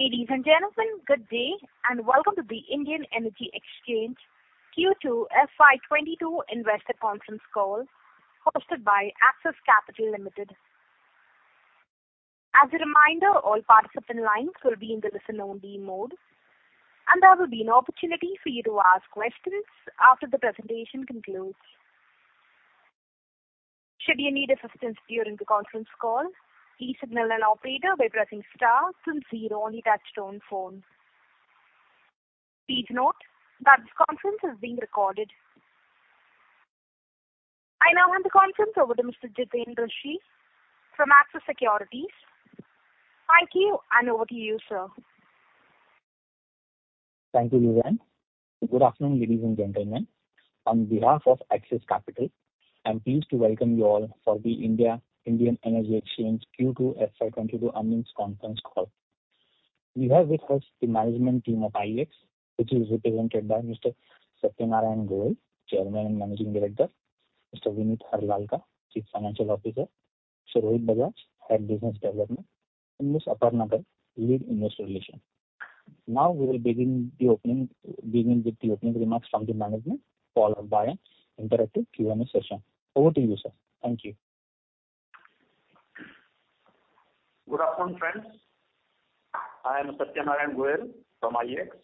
Ladies and gentlemen, good day and welcome to the Indian Energy Exchange Q2 FY 2022 investor conference call hosted by Axis Capital Limited. As a reminder, all participant lines will be in the listen-only mode, and there will be an opportunity for you to ask questions after the presentation concludes. Should you need assistance during the conference call, please signal an operator by pressing star then zero on your touchtone phone. Please note that this conference is being recorded. I now hand the conference over to Mr. Jiten Rushi from Axis Capital. Thank you, and over to you, sir. Thank you, Lizanne. Good afternoon, ladies and gentlemen. On behalf of Axis Capital, I'm pleased to welcome you all for the Indian Energy Exchange Q2 FY 2022 earnings conference call. We have with us the management team of IEX, which is represented by Mr. Satyanarayan Goel, Chairman and Managing Director, Mr. Vineet Harlalka, Chief Financial Officer, Mr. Rohit Bajaj, Head Business Development, and Ms. Aparna, Lead Investor Relations. We will begin with the opening remarks from the management followed by an interactive Q&A session. Over to you, sir. Thank you. Good afternoon, friends. I am Satyanarayan Goel from IEX.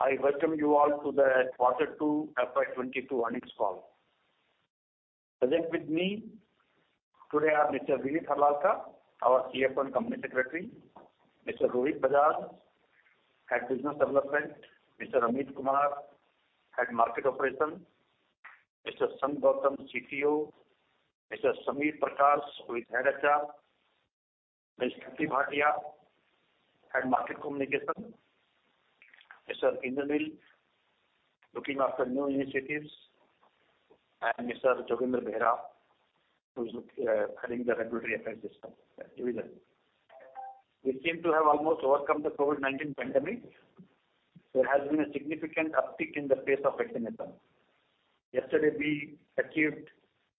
I welcome you all to the quarter two FY 2022 earnings call. Present with me today are Mr. Vineet Harlalka, our CFO and Company Secretary, Mr. Rohit Bajaj, Head Business Development, Mr. Amit Kumar, Head Market Operation, Mr. Sangh Gautam, CTO, Mr. Samir Prakash, Ms. Shruti Bhatia, Head Market Communication, Mr. Inder Gill, looking after new initiatives, and Mr. Jogendra Behera, who's heading the regulatory affairs system division. We seem to have almost overcome the COVID-19 pandemic. There has been a significant uptick in the pace of vaccination. Yesterday, we achieved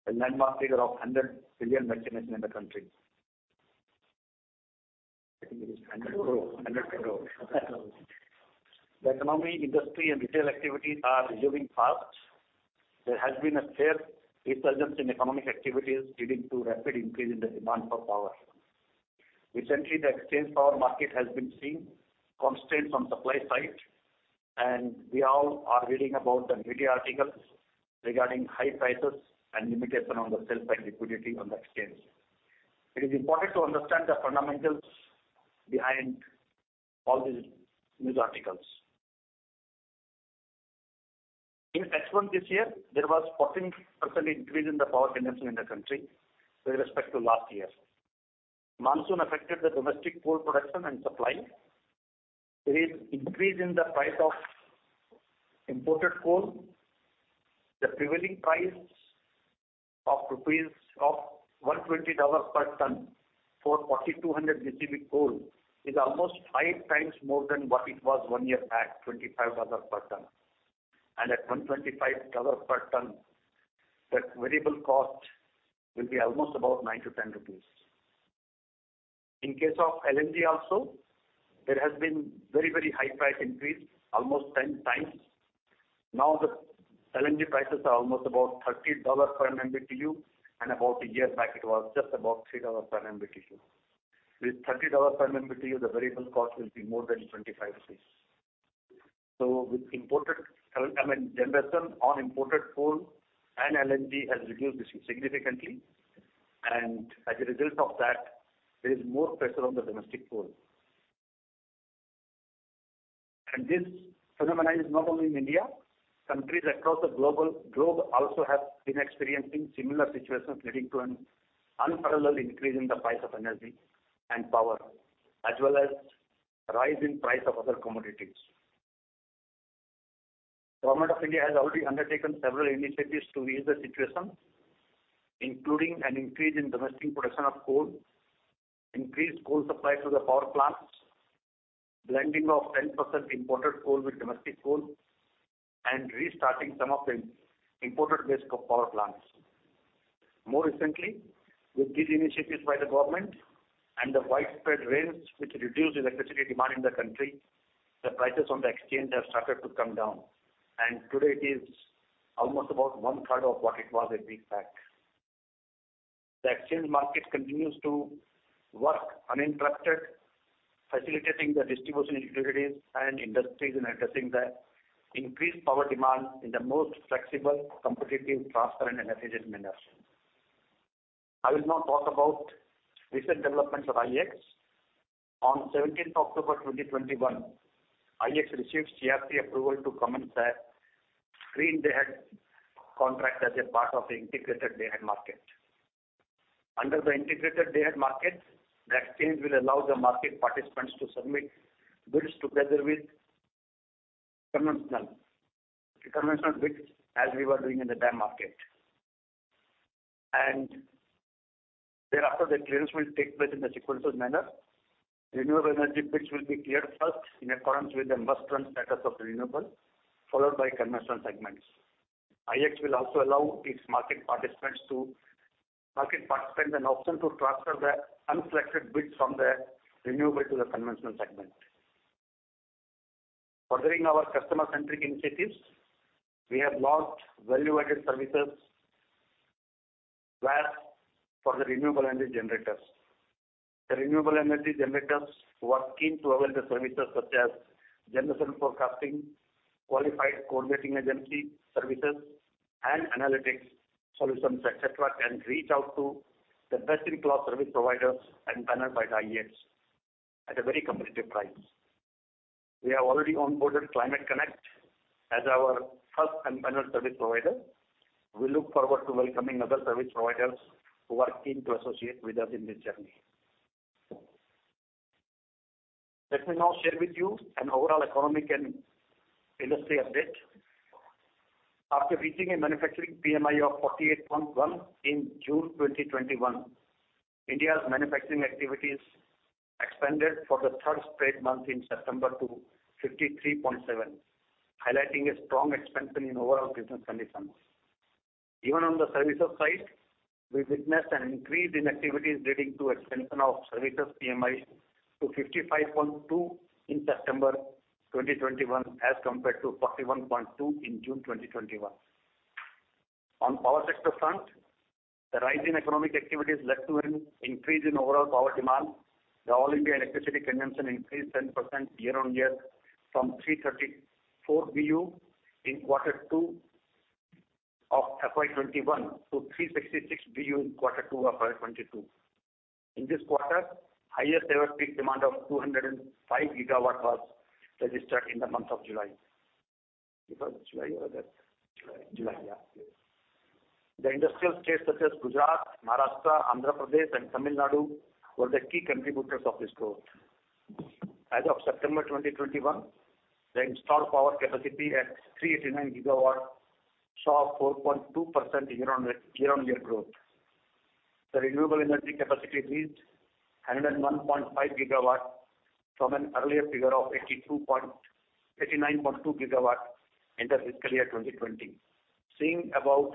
a landmark figure of 100 billion vaccinations in the country. I think it is 100 crore. The economy, industry, and retail activities are resuming fast. There has been a clear resurgence in economic activities, leading to rapid increase in the demand for power. Recently, the exchange power market has been seeing constraints on supply side. We all are reading about the media articles regarding high prices and limitation on the sell-side liquidity on the exchange. It is important to understand the fundamentals behind all these news articles. In H1 this year, there was 14% increase in the power generation in the country with respect to last year. Monsoon affected the domestic coal production and supply. There is increase in the price of imported coal. The prevailing price of $120 per ton for 4,200 BTUs coal is almost five times more than what it was one year back, $25 per ton. At $125 per ton, that variable cost will be almost about 9-10 rupees. In case of LNG also, there has been very high price increase, almost 10 x. The LNG prices are almost about $30 per MMBtu, and about a year back, it was just about $3 per MMBtu. With $30 per MMBtu, the variable cost will be more than INR 25. With generation on imported coal and LNG has reduced significantly, and as a result of that, there is more pressure on the domestic coal. This phenomenon is not only in India. Countries across the globe also have been experiencing similar situations, leading to an unparalleled increase in the price of energy and power, as well as rise in price of other commodities. Government of India has already undertaken several initiatives to ease the situation, including an increase in domestic production of coal, increased coal supply to the power plants, blending of 10% imported coal with domestic coal, and restarting some of the imported-based power plants. More recently, with these initiatives by the government and the widespread rains which reduced the electricity demand in the country, the prices on the exchange have started to come down, and today it is almost about 1/3 of what it was a week back. The exchange market continues to work uninterrupted, facilitating the distribution utilities and industries in addressing the increased power demand in the most flexible, competitive, transparent, and efficient manner. I will now talk about recent developments of IEX. On 17th October 2021, IEX received CERC approval to commence the Green Day-Ahead contract as a part of the Integrated Day-Ahead Market. Under the Integrated Day-Ahead Market, the exchange will allow the market participants to submit bids together with conventional bids as we were doing in the DAM market. Thereafter, the clearance will take place in a sequential manner. Renewable energy bids will be cleared first in accordance with the must-run status of the renewable, followed by conventional segments. IEX will also allow its market participants an option to transfer the unselected bids from the renewable to the conventional segment. Furthering our customer-centric initiatives, we have launched value-added services, VAS, for the renewable energy generators. The renewable energy generators who are keen to avail the services such as generation forecasting, qualified coordinating agency services, and analytics solutions, et cetera, can reach out to the best-in-class service providers empaneled by the IEX at a very competitive price. We have already onboarded Climate Connect as our first empaneled service provider. We look forward to welcoming other service providers who are keen to associate with us in this journey. Let me now share with you an overall economic and industry update. After reaching a manufacturing PMI of 48.1 in June 2021, India's manufacturing activities expanded for the third straight month in September to 53.7, highlighting a strong expansion in overall business conditions. On the services side, we witnessed an increase in activities leading to expansion of services PMI to 55.2 in September 2021 as compared to 41.2 in June 2021. On power sector front, the rise in economic activities led to an increase in overall power demand. The All India Electricity Consumption increased 10% year-on-year from 334 BU in quarter two of FY 2021 to 366 BU in quarter two of FY 2022. In this quarter, highest ever peak demand of 205 GW was registered in the month of July. It was July or that? July. July, yeah. The industrial states such as Gujarat, Maharashtra, Andhra Pradesh, and Tamil Nadu were the key contributors of this growth. As of September 2021, the installed power capacity at 389 GW saw 4.2% year-on-year growth. The renewable energy capacity reached 101.5 GW from an earlier figure of 89.2 GW end of FY 2020, seeing about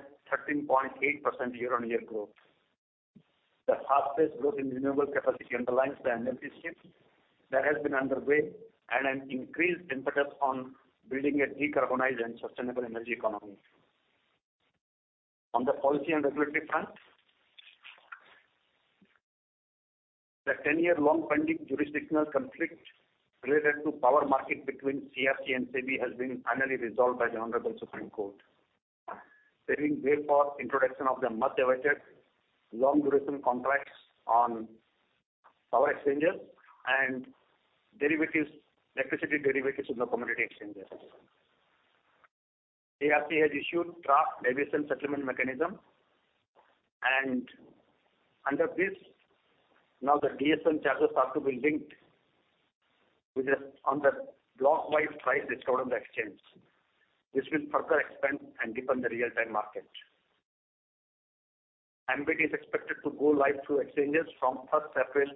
13.8% year-on-year growth. The fastest growth in renewable capacity underlines the energy shift that has been underway and an increased impetus on building a decarbonized and sustainable energy economy. On the policy and regulatory front, the 10-year long pending jurisdictional conflict related to power market between CERC and SEBI has been finally resolved by the Honorable Supreme Court, paving way for introduction of the much awaited long-duration contracts on power exchanges and electricity derivatives in the commodity exchanges. CERC has issued draft Deviation Settlement Mechanism, and under this, now the DSM charges also will be linked on the block-wise price discovered on the exchange. This will further expand and deepen the Real-Time Market. MBED is expected to go live through exchanges from first April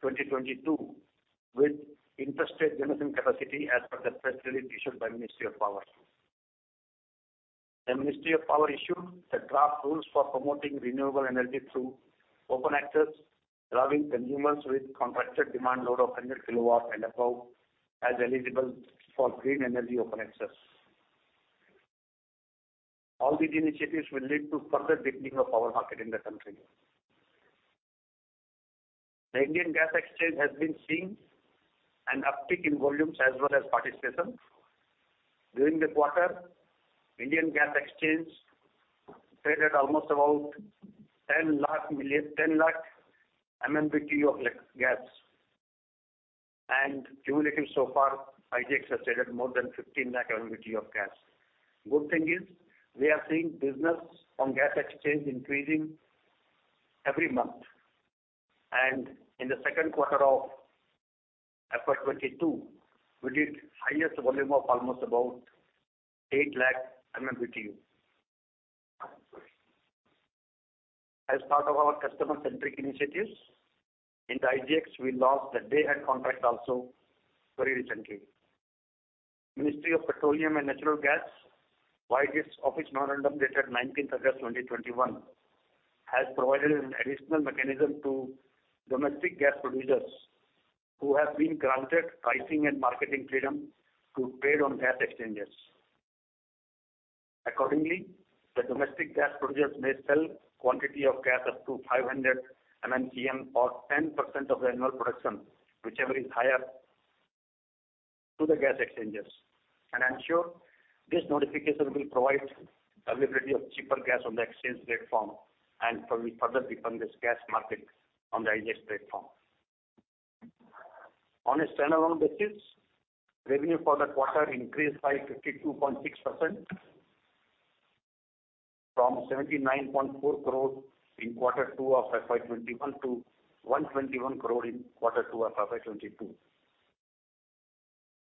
2022 with intrastate generation capacity as per the press release issued by Ministry of Power. The Ministry of Power issued the draft rules for promoting renewable energy through open access, allowing consumers with contracted demand load of 100 kW and above as eligible for green energy open access. All these initiatives will lead to further deepening of power market in the country. The Indian Gas Exchange has been seeing an uptick in volumes as well as participation. During this quarter, Indian Gas Exchange traded almost about 10 lakh MMBtu of gas. Cumulative so far, IGX has traded more than 15 lakh MMBtu of gas. Good thing is we are seeing business on gas exchange increasing every month. In the second quarter of FY 2022, we did highest volume of almost about 8 lakh MMBtu. As part of our customer-centric initiatives, in the IGX, we launched the Day-Ahead contract also very recently. Ministry of Petroleum and Natural Gas, by its office memorandum dated 19th August 2021, has provided an additional mechanism to domestic gas producers who have been granted pricing and marketing freedom to trade on gas exchanges. Accordingly, the domestic gas producers may sell quantity of gas up to 500 MMSCM or 10% of their annual production, whichever is higher, to the gas exchanges. I'm sure this notification will provide availability of cheaper gas on the exchange platform and will further deepen this gas market on the IGX platform. On a standalone basis, revenue for the quarter increased by 52.6% from 79.4 crores in quarter two of FY 2021 to 121 crore in quarter two of FY 2022.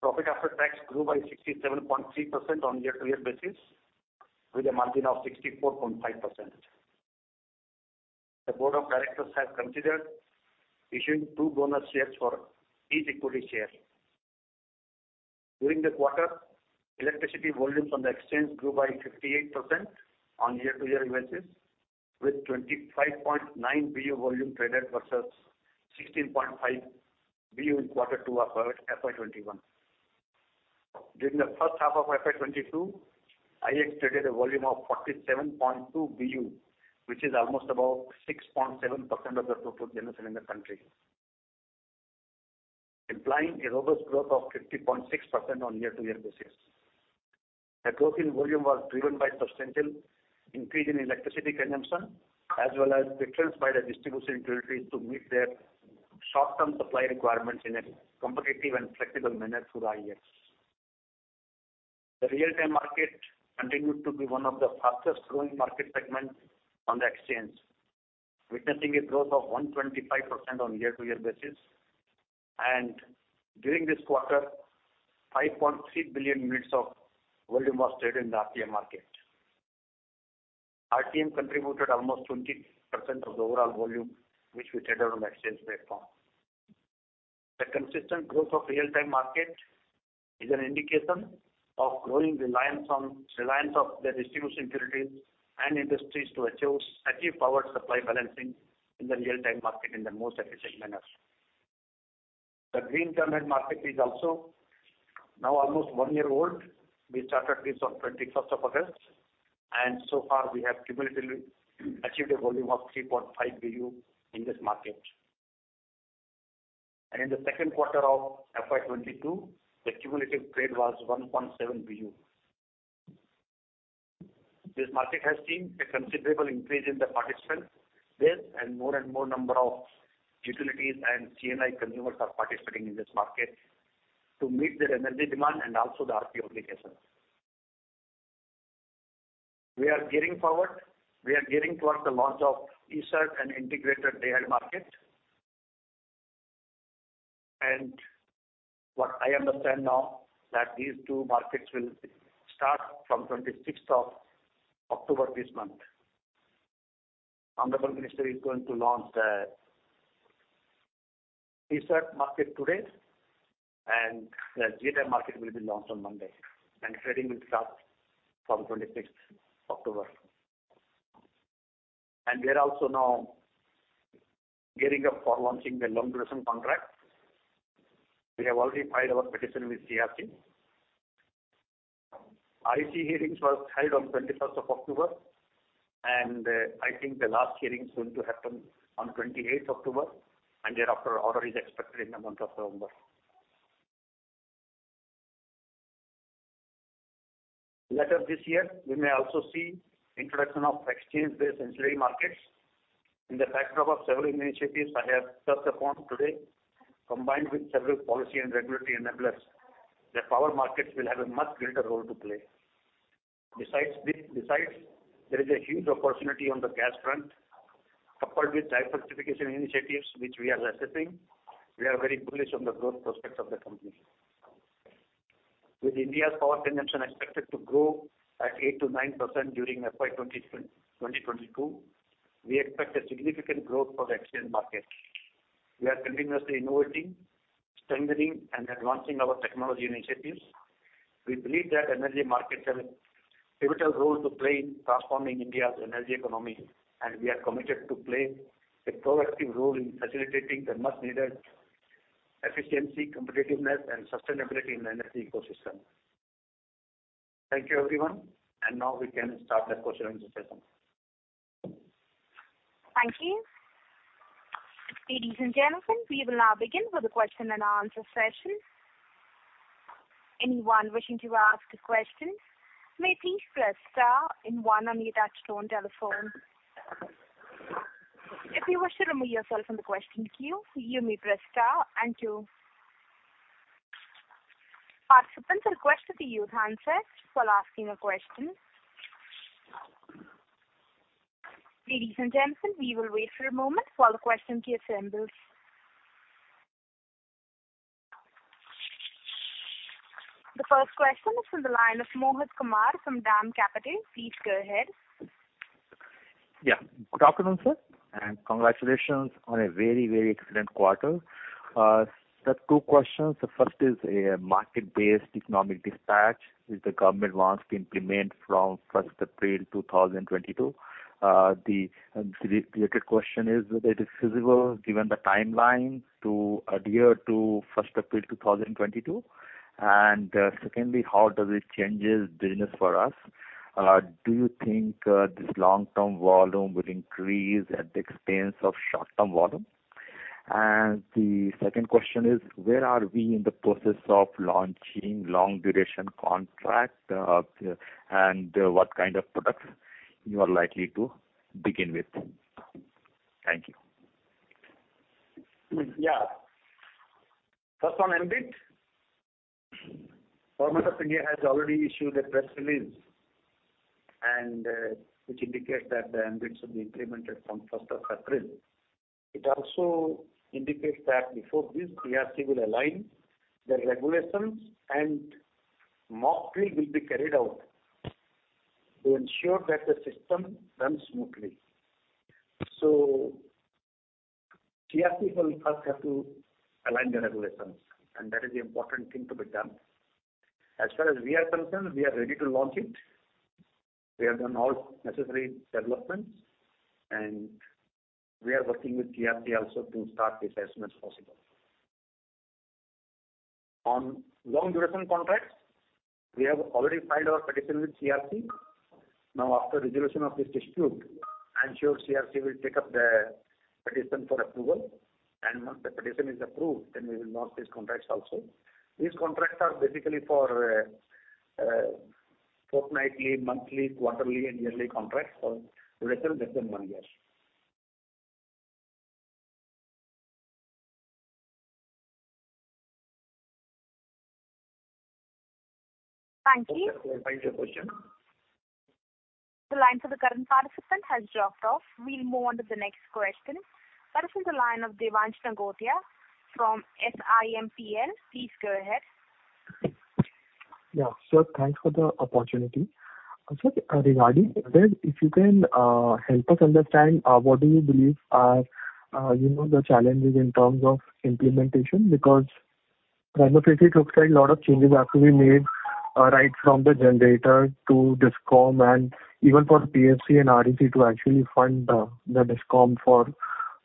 Profit after tax grew by 67.3% on year-over-year basis with a margin of 64.5%. The board of directors have considered issuing two bonus shares for each equity share. During the quarter, electricity volumes on the exchange grew by 58% on year-over-year basis, with 25.9 BU volume traded versus 16.5 BU in quarter two of FY 2021. During the first half of FY 2022, IEX traded a volume of 47.2 BU, which is almost about 6.7% of the total generation in the country, implying a robust growth of 50.6% on year-over-year basis. The growth in volume was driven by substantial increase in electricity consumption, as well as the trends by the distribution utilities to meet their short-term supply requirements in a competitive and flexible manner through the IEX. The Real-Time Market continued to be one of the fastest growing market segments on the exchange, witnessing a growth of 125% on year-over-year basis. During this quarter, 5.3 billion units of volume was traded in the RTM market. RTM contributed almost 20% of the overall volume, which we traded on the exchange platform. The consistent growth of Real-Time Market is an indication of growing reliance of the distribution utilities and industries to achieve power supply balancing in the Real-Time Market in the most efficient manner. The Green Term-Ahead Market is also now almost one year old. We started this on 21st of August, and so far we have cumulatively achieved a volume of 3.5 BU in this market. In the second quarter of FY 2022, the cumulative trade was 1.7 BU. This market has seen a considerable increase in the participant base and more and more number of utilities and C&I consumers are participating in this market to meet their energy demand and also the RP obligations. We are gearing toward the launch of ESCerts and Integrated Day-Ahead Market. What I understand now, that these two markets will start from 26th of October this month. Honorable Minister is going to launch the ESCerts market today, and the GTAM market will be launched on Monday, and trading will start from 26th October. We are also now gearing up for launching the long duration contract. We have already filed our petition with CERC. CERC hearings was held on 21st of October, I think the last hearing is going to happen on 28th October, thereafter order is expected in the month of November. Later this year, we may also see introduction of exchange-based ancillary markets. In the backdrop of several initiatives I have touched upon today, combined with several policy and regulatory enablers, the power markets will have a much greater role to play. Besides, there is a huge opportunity on the gas front, coupled with diversification initiatives which we are assessing. We are very bullish on the growth prospects of the company. With India's power consumption expected to grow at 8%-9% during FY 2022, we expect a significant growth for the exchange market. We are continuously innovating, strengthening, and advancing our technology initiatives. We believe that energy markets have a pivotal role to play in transforming India's energy economy, and we are committed to play a proactive role in facilitating the much needed efficiency, competitiveness, and sustainability in the energy ecosystem. Thank you, everyone. Now we can start the question and answer session. Thank you. Ladies and gentlemen, we will now begin with the question and answer session. The first question is from the line of Mohit Kumar from DAM Capital. Please go ahead. Yeah. Good afternoon, sir, and congratulations on a very, very excellent quarter. Sir, two questions. The first is a Market-Based Economic Dispatch which the government wants to implement from 1st April 2022. The related question is whether it is feasible given the timeline to adhere to 1st April 2022. Secondly, how does it changes business for us? Do you think this long-term volume will increase at the expense of short-term volume? The second question is, where are we in the process of launching long duration contract, and what kind of products you are likely to begin with? Thank you. Yeah. First on MBED, Government of India has already issued a press release, which indicates that the MBED should be implemented from 1st of April. It also indicates that before this, CERC will align the regulations and mock drill will be carried out to ensure that the system runs smoothly. CERC will first have to align the regulations, and that is the important thing to be done. As far as we are concerned, we are ready to launch it. We have done all necessary developments, and we are working with CERC also to start this as soon as possible. On long duration contracts, we have already filed our petition with CERC. Now, after resolution of this dispute, I'm sure CERC will take up the petition for approval, and once the petition is approved, then we will launch these contracts also. These contracts are basically for fortnightly, monthly, quarterly, and yearly contracts for duration less than one year. Thank you. Thanks for question. The line for the current participant has dropped off. We'll move on to the next question. This is the line of Devansh Nigotia from SIMPL. Please go ahead. Yeah. Sir, thanks for the opportunity. Sir, regarding that, if you can help us understand what do you believe are the challenges in terms of implementation? Prima facie, it looks like a lot of changes have to be made right from the generator to DISCOM and even for PFC and REC to actually fund the DISCOM for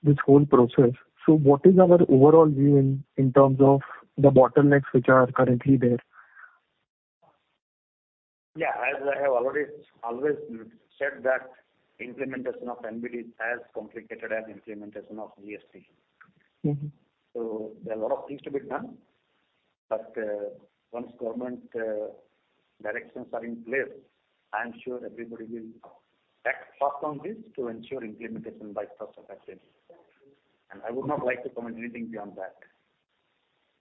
this whole process. What is our overall view in terms of the bottlenecks which are currently there? Yeah, as I have always said that implementation of MBED is as complicated as implementation of GST. There are a lot of things to be done. Once government directions are in place, I am sure everybody will act fast on this to ensure implementation by 1st of April. I would not like to comment anything beyond that.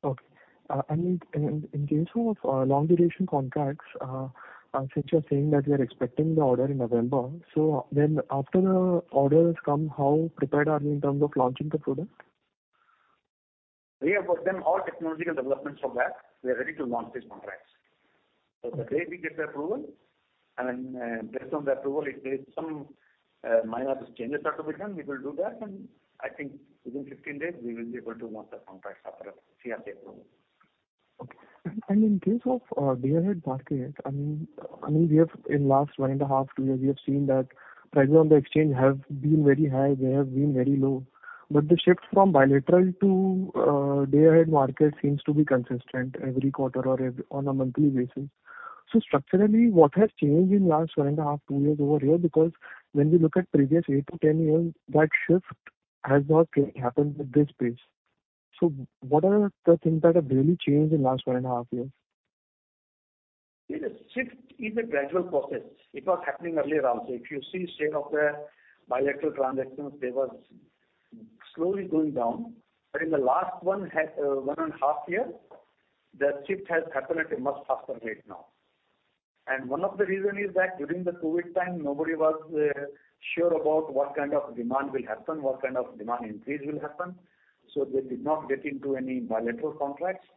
Okay. In case of long duration contracts, since you are saying that we are expecting the order in November. After the order has come, how prepared are you in terms of launching the product? We have worked on all technological developments for that. We are ready to launch these contracts. The day we get the approval, and based on the approval, if some minor changes are to be done, we will do that, and I think within 15 days we will be able to launch the contracts after CERC approval. Okay. In case of Day-Ahead Market, in last one and a half, two years, we have seen that prices on the exchange have been very high, they have been very low. The shift from bilateral to Day-Ahead Market seems to be consistent every quarter or on a monthly basis. Structurally, what has changed in last one and a half, two years over here? Because when we look at previous 8-10 years, that shift has not happened with this pace. What are the things that have really changed in last one and a half years? See, the shift is a gradual process. It was happening earlier also. If you see state of the bilateral transactions, they were slowly going down. In the last one and a half year, the shift has happened at a much faster rate now. One of the reason is that during the COVID-19 time, nobody was sure about what kind of demand will happen, what kind of demand increase will happen, so they did not get into any bilateral contracts.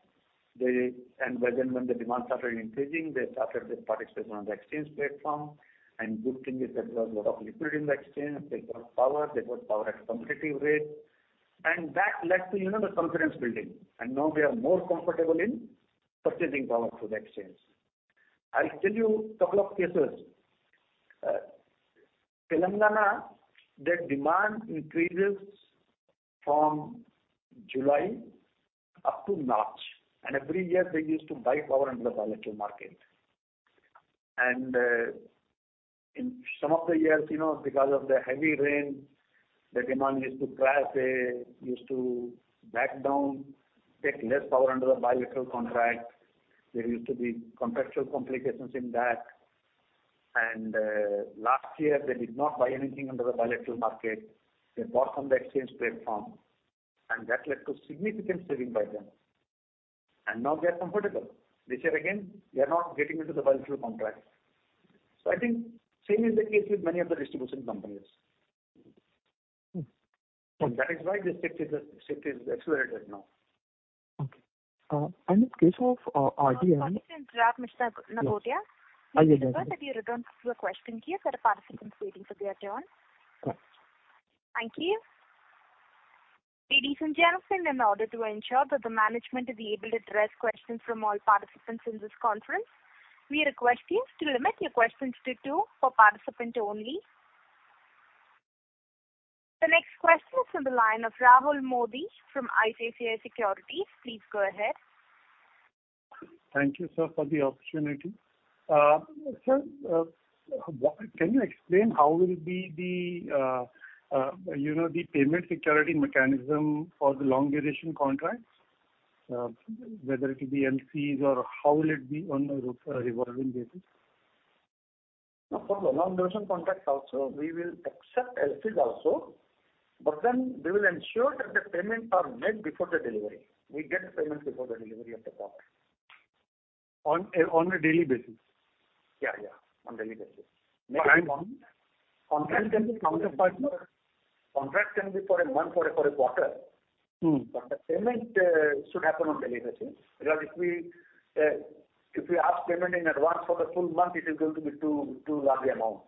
When the demand started increasing, they started participating on the exchange platform. Good thing is that there was a lot of liquidity in the exchange. They got power, they got power at competitive rate. That led to the confidence building. Now they are more comfortable in purchasing power through the exchange. I'll tell you couple of cases. Telangana, their demand increases from July up to March, and every year they used to buy power under the bilateral market. In some of the years, because of the heavy rain, the demand used to crash. They used to back down, take less power under the bilateral contract. There used to be contractual complications in that. Last year they did not buy anything under the bilateral market. They bought from the exchange platform, and that led to significant saving by them. Now they are comfortable. This year again, they are not getting into the bilateral contract. I think same is the case with many of the distribution companies. Mm. Okay. That is why the shift is accelerated now. Okay. In case of RTM. Sorry to interrupt, Mr. Nigotia. Yes. May I request that you return to your question queue? There are participants waiting for their turn. Right. Thank you. Ladies and gentlemen, in order to ensure that the management is able to address questions from all participants in this conference, we request you to limit your questions to two per participant only. The next question is on the line of Rahul Modi from ICICI Securities. Please go ahead. Thank you, sir, for the opportunity. Sir, can you explain how will be the payment security mechanism for the long duration contracts, whether it will be LCs or how will it be on a revolving basis? No problem. Long duration contracts also, we will accept LCs also, we will ensure that the payment is made before the delivery. We get payments before the delivery of the power. On a daily basis. Yeah. On daily basis. And contract. Contract can be for a month or a quarter. The payment should happen on daily basis, because if we ask payment in advance for the full month, it is going to be too large amount.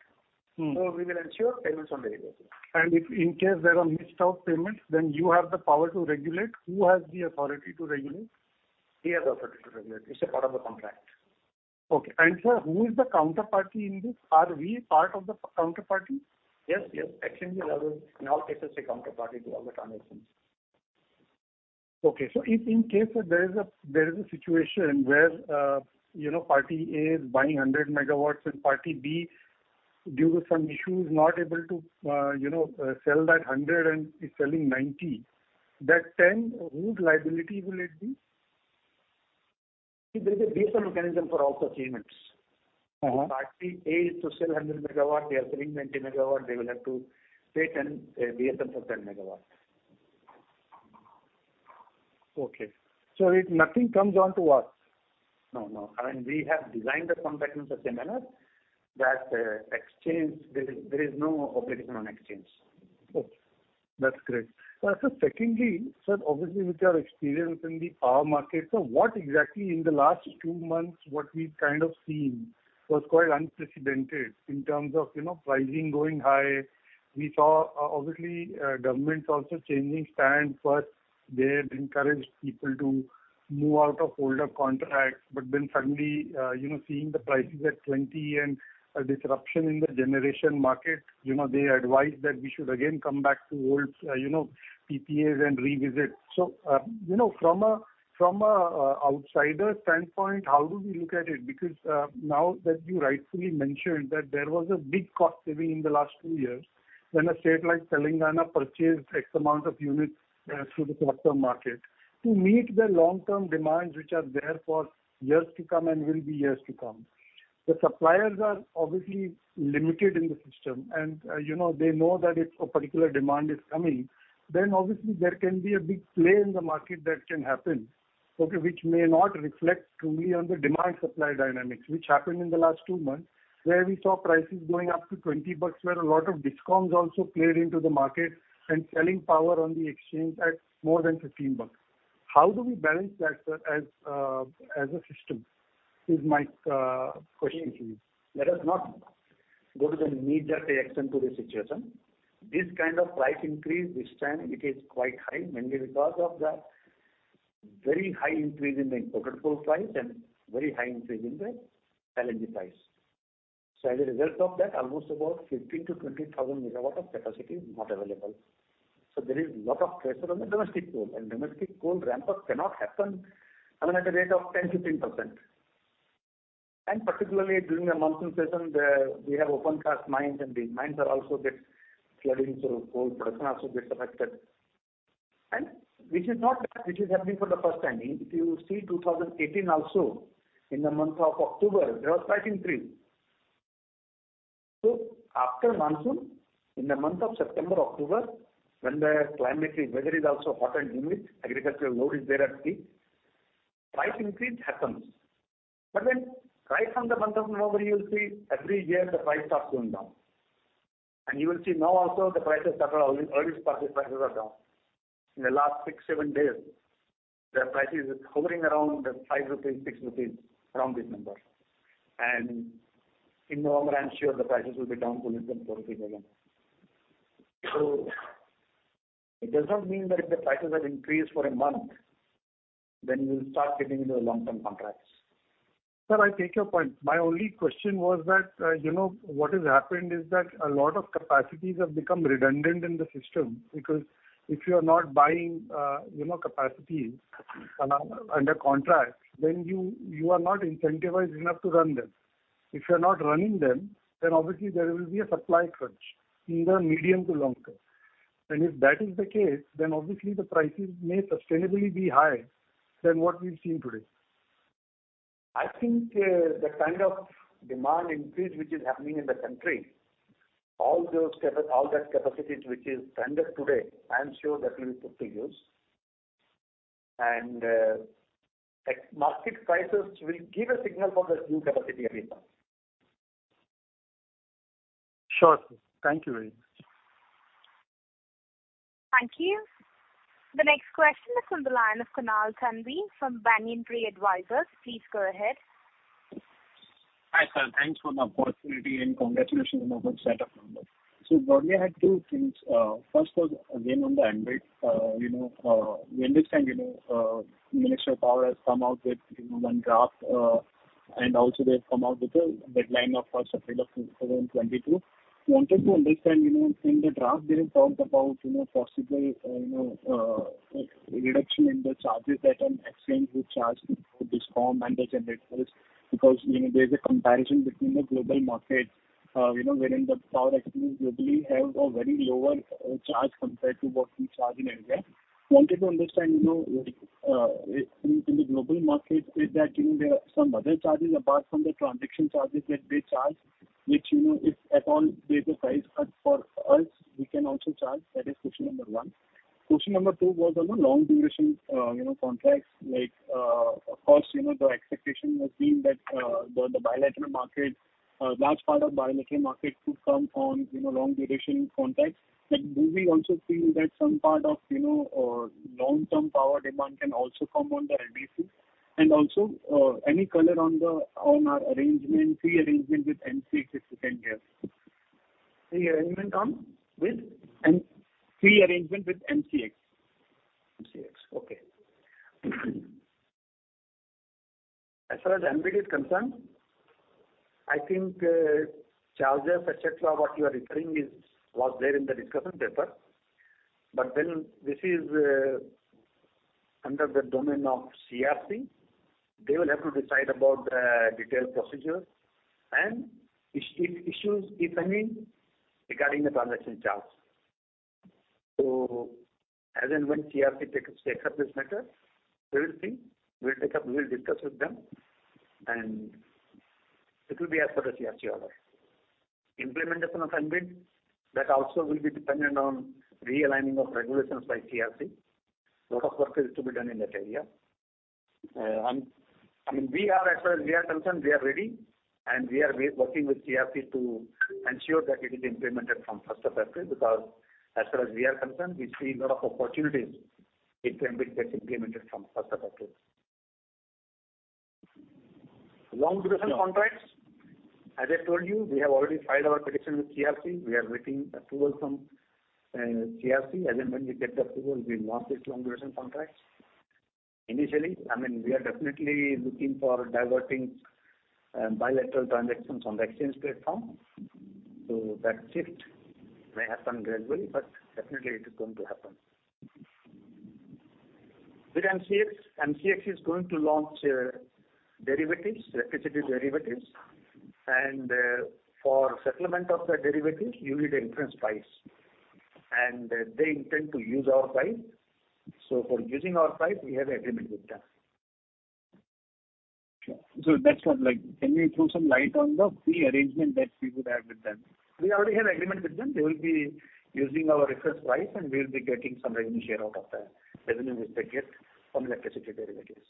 We will ensure payments on daily basis. If in case there are missed out payments, then you have the power to regulate. Who has the authority to regulate? We have the authority to regulate. It's a part of the contract. Okay. Sir, who is the counterparty in this? Are we part of the counterparty? Yes. Exchange is, in all cases, a counterparty to all the transactions. If in case there is a situation where party A is buying 100 MW and party B, due to some issue, is not able to sell that 100 MW and is selling 90 MW. That 10 MW, whose liability will it be? See, there is a mechanism for also payments. Party A is to sell 100 MW. They are selling 90 MW. They will have to pay DSM for 10 MW. Okay. If nothing comes on to us? No. We have designed the contract in such a manner that there is no operation on exchange. Okay. That's great. Sir, secondly, obviously with your experience in the power market, so what exactly in the last two months, what we've kind of seen was quite unprecedented in terms of pricing going high. We saw, obviously, government also changing stand. First they had encouraged people to move out of older contracts. Suddenly, seeing the prices at 20 and a disruption in the generation market, they advised that we should again come back to old PPAs and revisit. From an outsider standpoint, how do we look at it? Now that you rightfully mentioned that there was a big cost saving in the last two years when a state like Telangana purchased X amount of units through the short-term market to meet the long-term demands which are there for years to come and will be years to come. The suppliers are obviously limited in the system, and they know that if a particular demand is coming, then obviously there can be a big play in the market that can happen, okay, which may not reflect truly on the demand-supply dynamics, which happened in the last two months, where we saw prices going up to INR 20, where a lot of DISCOMs also played into the market and selling power on the exchange at more than INR 15. How do we balance that, sir, as a system? Is my question to you. Let us not go to the immediate reaction to the situation. This kind of price increase, this time it is quite high, mainly because of the very high increase in the imported coal price and very high increase in the LNG price. As a result of that, almost about 15,000 MW-20,000 MW of capacity is not available. There is lot of pressure on the domestic coal, and domestic coal ramp-up cannot happen at a rate of 10%-15%. Particularly during the monsoon season, we have open cast mines and these mines also get flooding, coal production also gets affected. This is not that this is happening for the first time. If you see 2018 also, in the month of October, there was price increase. After monsoon, in the month of September, October, when the weather is also hot and humid, agricultural load is there at peak, price increase happens. Right from the month of November, you will see every year the price starts going down. You will see now also the earliest purchase prices are down. In the last six, seven days, the price is hovering around 5 rupees, 6 rupees around this number. In November, I am sure the prices will be down to less than 4 again. It does not mean that if the prices are increased for a month, then we will start getting into the long-term contracts. Sir, I take your point. My only question was that what has happened is that a lot of capacities have become redundant in the system, because if you are not buying capacities under contract, then you are not incentivized enough to run them. If you are not running them, then obviously there will be a supply crunch in the medium to long-term. If that is the case, then obviously the prices may sustainably be higher than what we've seen today. I think the kind of demand increase which is happening in the country, all that capacities which is rendered today, I am sure that will be put to use. Market prices will give a signal for the new capacity every time. Sure, sir. Thank you very much. Thank you. The next question is on the line of Kunal Thanvi from Banyan Tree Advisors. Please go ahead. Hi, sir. Thanks for the opportunity and congratulations on the good set of numbers. Broadly, I had two things. First was again on the MBED, we understand Ministry of Power has come out with one draft, and also they have come out with a deadline of April 1, 2022. Wanted to understand in the draft, they have talked about possible reduction in the charges that an exchange will charge the DISCOM and the generators, because there is a comparison between the global markets wherein the power exchanges globally have a very lower charge compared to what we charge in India. Wanted to understand, like, in the global markets, is that there are some other charges apart from the transaction charges that they charge, which, if at all they despise for us, we can also charge? That is question number one. Question number two was on the long duration contracts. Of course, the expectation was being that large part of bilateral market could come on long duration contracts. Do we also feel that some part of long-term power demand can also come on the NBID? Any color on our fee arrangement with MCX this financial year? Fee arrangement on? With? Fee arrangement with MCX. MCX. Okay. As far as MBED is concerned, I think charges, et cetera, what you are referring was there in the discussion paper. This is under the domain of CERC. They will have to decide about the detailed procedure, and if issues, if any, regarding the transaction charge. As and when CERC takes up this matter, we will see. We'll discuss with them, and it will be as per the CERC order. Implementation of MBED, that also will be dependent on realigning of regulations by CERC. Lot of work is to be done in that area. As far as we are concerned, we are ready, and we are working with CERC to ensure that it is implemented from 1st of April, because as far as we are concerned, we see a lot of opportunities if MBED gets implemented from 1st of April. Long duration contracts, as I told you, we have already filed our petition with CERC. We are waiting approval from CERC. As and when we get the approval, we launch these long duration contracts. Initially, we are definitely looking for diverting bilateral transactions on the exchange platform. That shift may happen gradually, but definitely it is going to happen. With MCX is going to launch derivatives, electricity derivatives. For settlement of the derivatives, you need reference price. They intend to use our price. For using our price, we have agreement with them. Sure. That's why, can you throw some light on the fee arrangement that we would have with them? We already have agreement with them. They will be using our reference price, and we will be getting some revenue share out of the revenue which they get from electricity derivatives.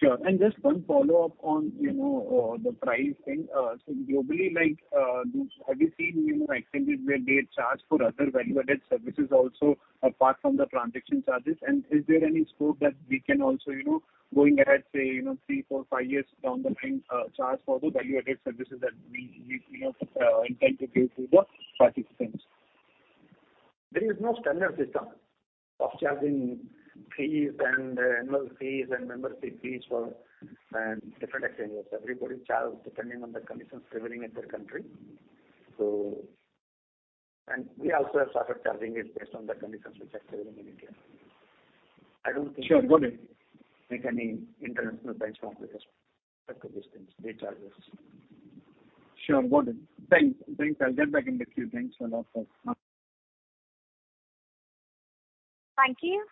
Sure. Just one follow-up on the price thing. Globally, have you seen exchanges where they charge for other value-added services also, apart from the transaction charges? Is there any scope that we can also, going ahead, say, three, four, five years down the line, charge for the value-added services that we intend to give to the participants? There is no standard system of charging fees and annual fees and membership fees for different exchanges. Everybody charge depending on the conditions prevailing in their country. We also have started charging it based on the conditions which are prevailing in India. Sure, got it. Make any international benchmark with respect to these things, the charges. Sure, got it. Thanks. I'll get back in the queue. Thanks a lot, sir. Thank you.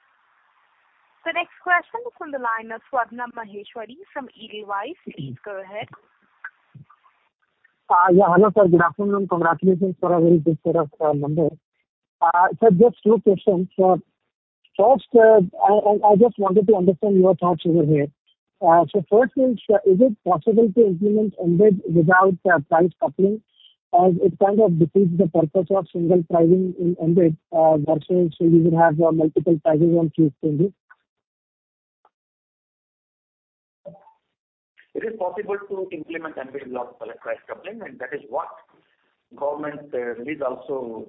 The next question is on the line of Swarnim Maheshwari from Edelweiss. Please go ahead. Hello, sir. Good afternoon, and congratulations for a very good set of numbers. Sir, just two questions. First, I just wanted to understand your thoughts over here. First is it possible to implement NBID without price coupling, as it kind of defeats the purpose of single pricing in NBID version, so we will have multiple pricing on few exchanges? It is possible to implement NBID without price coupling, and that is what Government release also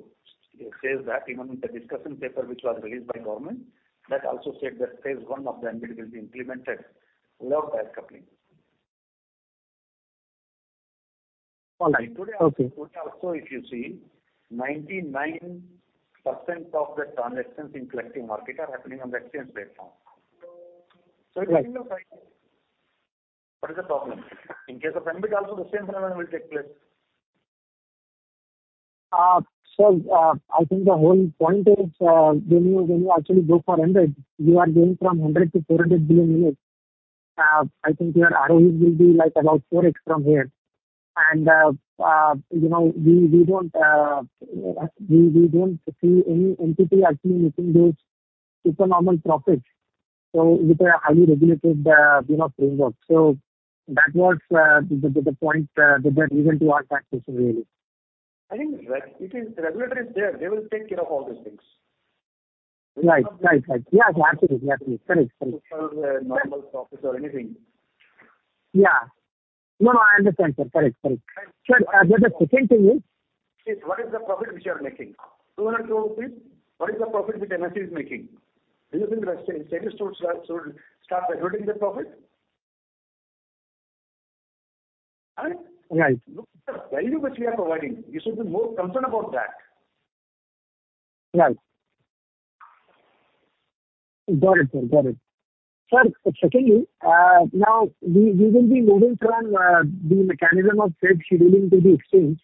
says that. Even the discussion paper which was released by Government, that also said that phase one of the NBID will be implemented without price coupling. All right. Okay. Today, if you see, 99% of the transactions in collective market are happening on the exchange platform. Even without pricing, what is the problem? In case of MBED also the same phenomenon will take place. Sir, I think the whole point is when you actually go for MBED, you are going from 100 billion units-400 billion units. I think your ROE will be about 4 x from here. We don't see any entity actually making those super normal profits with a highly regulated framework. That was the point, the reason to our practice, really. I think regulator is there. They will take care of all these things. Right. Yes, absolutely. Correct. Super normal profits or anything. Yeah. No, I understand, sir. Correct. Sir, just the second thing is. What is the profit which you are making? 200 crores rupees profit. What is the profit which NSE is making? Do you think the exchanges should stop eroding the profit? Right? Right. Look at the value which we are providing. You should be more concerned about that. Right. Got it, sir. Sir, secondly, now we will be moving from the mechanism of trade scheduling to the exchange.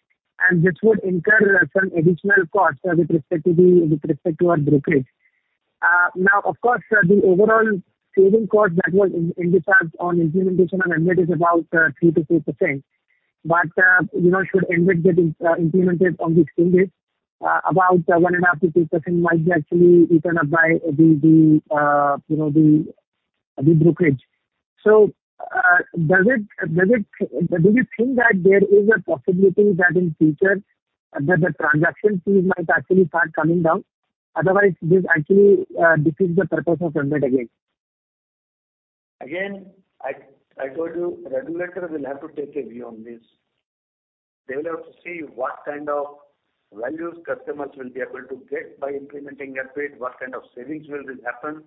This would incur some additional cost with respect to our brokerage. Now, of course, the overall saving cost that was envisaged on implementation of MBED is about 3%-4%. Should MBED get implemented on the exchanges, about 1.5%-2% might be actually eaten up by the brokerage. Do you think that there is a possibility that in future, the transaction fees might actually start coming down? Otherwise, this actually defeats the purpose of MBED again. Again, I told you, regulators will have to take a view on this. They will have to see what kind of values customers will be able to get by implementing MBED, what kind of savings will happen,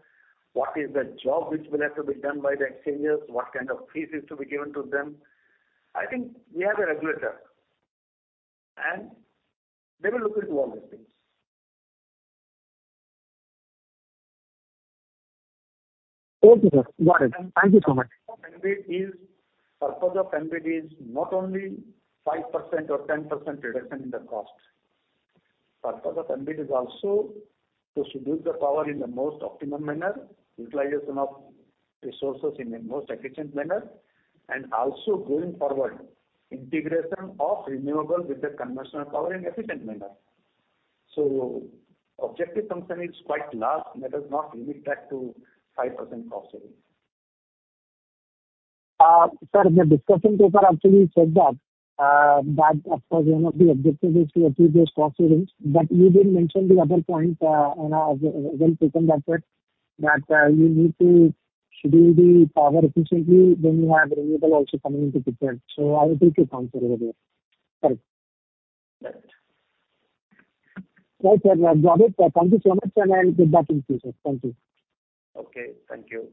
what is the job which will have to be done by the exchanges, what kind of fees is to be given to them. I think we have a regulator, and they will look into all these things. Okay, sir. Got it. Thank you so much. Purpose of MBED is not only 5% or 10% reduction in the cost. Purpose of MBED is also to schedule the power in the most optimum manner, utilization of resources in a most efficient manner, and also going forward, integration of renewable with the conventional power in efficient manner. Objective function is quite large. Let us not limit that to 5% cost savings. Sir, the discussion paper actually said that. That, of course, one of the objectives is to achieve those cost savings, but you did mention the other point, and I have well taken that point, that you need to schedule the power efficiently, then you have renewable also coming into picture. I completely concur with you. Correct. Right. Right, sir. Got it. Thank you so much. I will get back in touch. Thank you. Okay. Thank you.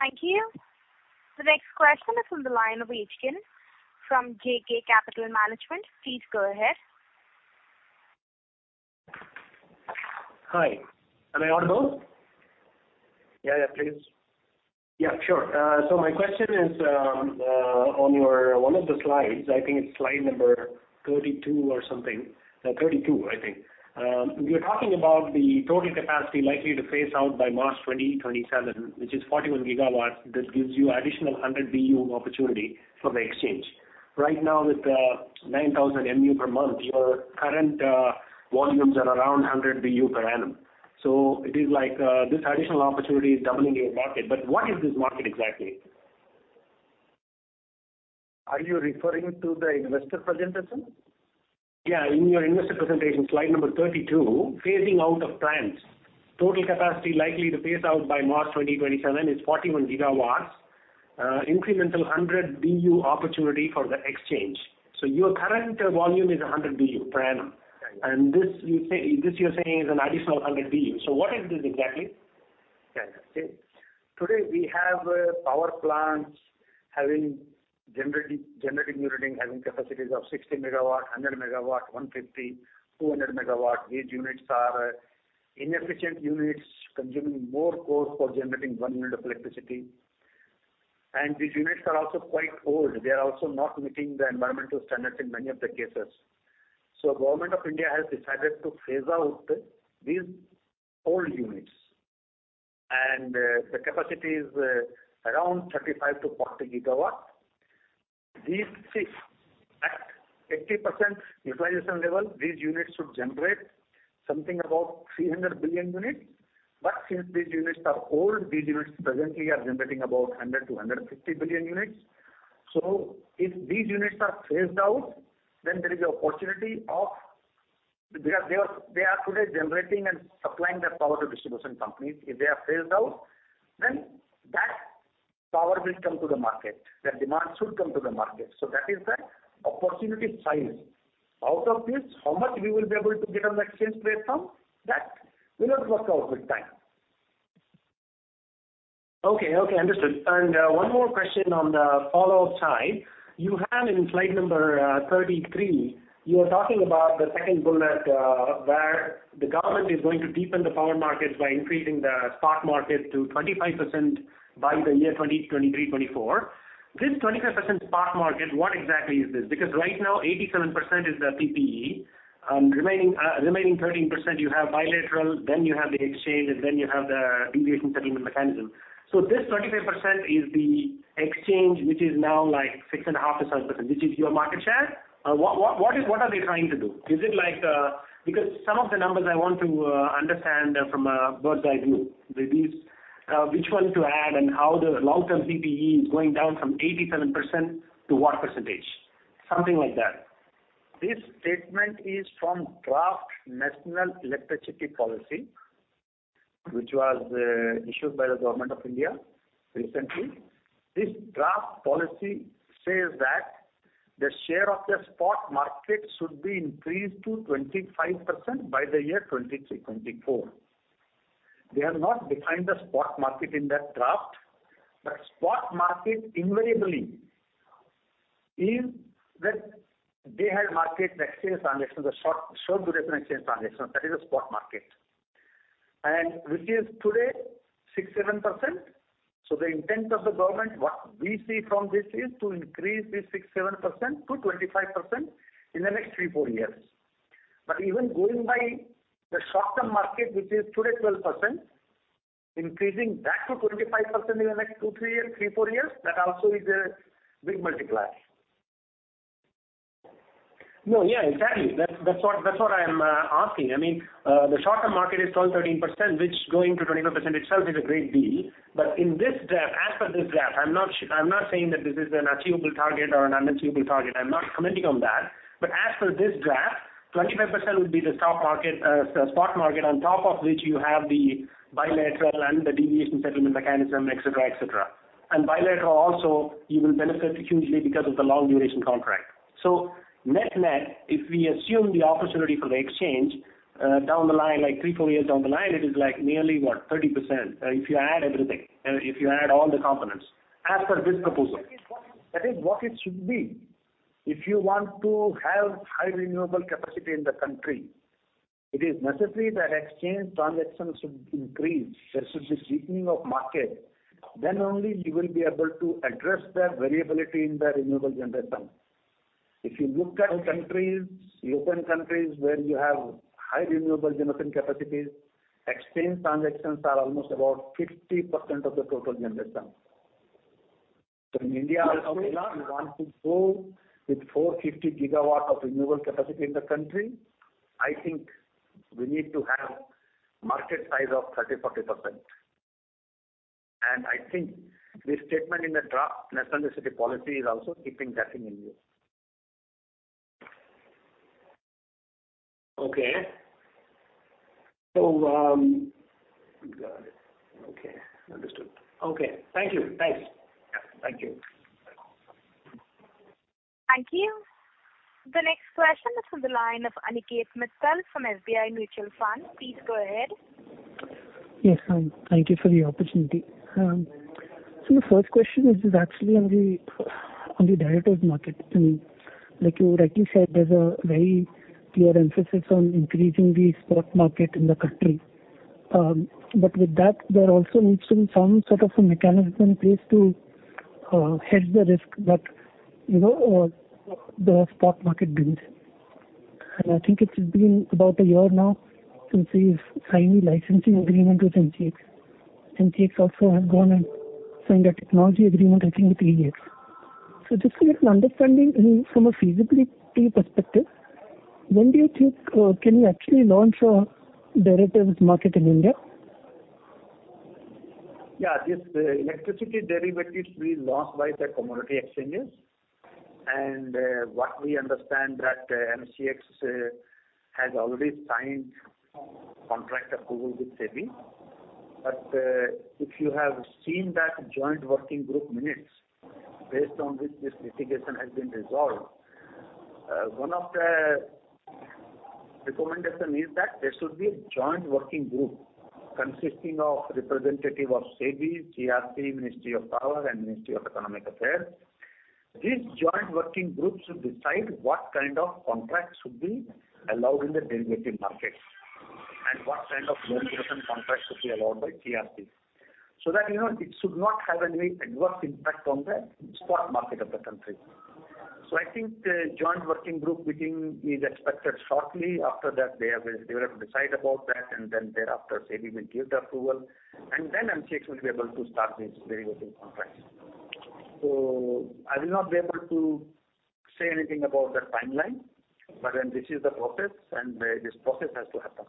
Thank you. The next question is on the line of from uncertain JK Capital Management. Please go ahead. Hi. Am I audible? Yeah. Please. Yeah, sure. My question is on one of the slides, I think it's slide number 32 or something. 32, I think. You're talking about the total capacity likely to phase out by March 2027, which is 41 GW. This gives you additional 100 BU opportunity for the exchange. Right now, with 9,000 MU per month, your current volumes are around 100 BU per annum. It is like this additional opportunity is doubling your market. What is this market exactly? Are you referring to the investor presentation? In your investor presentation, slide number 32, phasing out of plants. Total capacity likely to phase out by March 2027 is 41 GW. Incremental 100 BU opportunity for the exchange. Your current volume is 100 BU per annum. Right. This you're saying is an additional 100 BU. What is this exactly? Yeah. Today we have power plants having generating unit having capacities of 60 MW, 100 MW, 150 MW, 200 MW. These units are inefficient units consuming more coal for generating one unit of electricity. These units are also quite old. They are also not meeting the environmental standards in many of the cases. Government of India has decided to phase out these old units, and the capacity is around 35 GW-40 GW. At 80% utilization level, these units should generate something above 300 billion units. Since these units are old, these units presently are generating about 100 billion units-150 billion units. If these units are phased out, then there is an opportunity Because they are today generating and supplying that power to distribution companies. If they are phased out, then that power will come to the market. That demand should come to the market. That is the opportunity size. Out of this, how much we will be able to get on the exchange platform? That we will work out with time. Okay. Understood. One more question on the follow side. You have in slide 33, you are talking about the second bullet, where the government is going to deepen the power markets by increasing the spot market to 25% by the year 2023-2024. This 25% spot market, what exactly is this? Right now 87% is the PPA. Remaining 13%, you have bilateral, then you have the exchange, and then you have the Deviation Settlement Mechanism. This 25% is the exchange, which is now like 6.5%-7%, which is your market share. What are they trying to do? Some of the numbers I want to understand from a bird's-eye view. Which one to add and how the long-term PPA is going down from 87% to what percentage? Something like that. This statement is from Draft National Electricity Policy, which was issued by the Government of India recently. This draft policy says that the share of the spot market should be increased to 25% by the year 2023-2024. They have not defined the spot market in that draft. Spot market invariably is the Day-Ahead Market, the exchange transaction, the short duration exchange transaction. That is the spot market. Which is today 6%-7%. The intent of the government, what we see from this is to increase this 6%-7% to 25% in the next three to four years. Even going by the short-term market, which is today 12%, increasing that to 25% in the next two, three, four years, that also is a big multiplier. Exactly. That's what I am asking. The short-term market is 12%-13%, which going to 25% itself is a great deal. As per this graph, I'm not saying that this is an achievable target or an unachievable target, I'm not commenting on that. As per this graph, 25% would be the spot market, the spot market on top of which you have the bilateral and the Deviation Settlement Mechanism, et cetera. Bilateral also, you will benefit hugely because of the long duration contract. Net-net, if we assume the opportunity for the exchange down the line, like three, four years down the line, it is nearly what? 30%, if you add everything, if you add all the components as per this proposal. That is what it should be. If you want to have high renewable capacity in the country, it is necessary that exchange transactions should increase. There should be deepening of market. Only you will be able to address the variability in the renewable generation. If you look at countries, European countries where you have high renewable generation capacities, exchange transactions are almost about 50% of the total generation. In India also, we want to go with 450 GW of renewable capacity in the country. I think we need to have market size of 30%-40%. I think this statement in the Draft National Electricity Policy is also keeping that in view. Okay. Got it. Okay. Understood. Okay. Thank you. Thanks. Yeah. Thank you. Thank you. The next question is from the line of Aniket Mittal from SBI Mutual Fund. Please go ahead. Yes, ma'am. Thank you for the opportunity. The first question is actually on the derivatives market. Like you rightly said, there's a very clear emphasis on increasing the spot market in the country. With that, there also needs to be some sort of a mechanism in place to hedge the risk that the spot market brings. I think it's been about a year now since we've signed the licensing agreement with MCX. MCX also has gone and signed a technology agreement, I think with uncertain. Just to get an understanding from a feasibility perspective, when do you think can we actually launch our derivatives market in India? This electricity derivatives will be launched by the commodity exchanges. What we understand that MCX has already signed contract approval with SEBI. If you have seen that joint working group minutes based on which this litigation has been resolved, one of the recommendation is that there should be a joint working group consisting of representative of SEBI, CERC, Ministry of Power, and Department of Economic Affairs. This joint working group should decide what kind of contracts should be allowed in the derivative market and what kind of derivative contract should be allowed by CERC. That it should not have any adverse impact on the stock market of the country. I think the joint working group meeting is expected shortly. After that, they will have to decide about that, and then thereafter, SEBI will give the approval, and then MCX will be able to start these derivative contracts. I will not be able to say anything about the timeline. This is the process, and this process has to happen.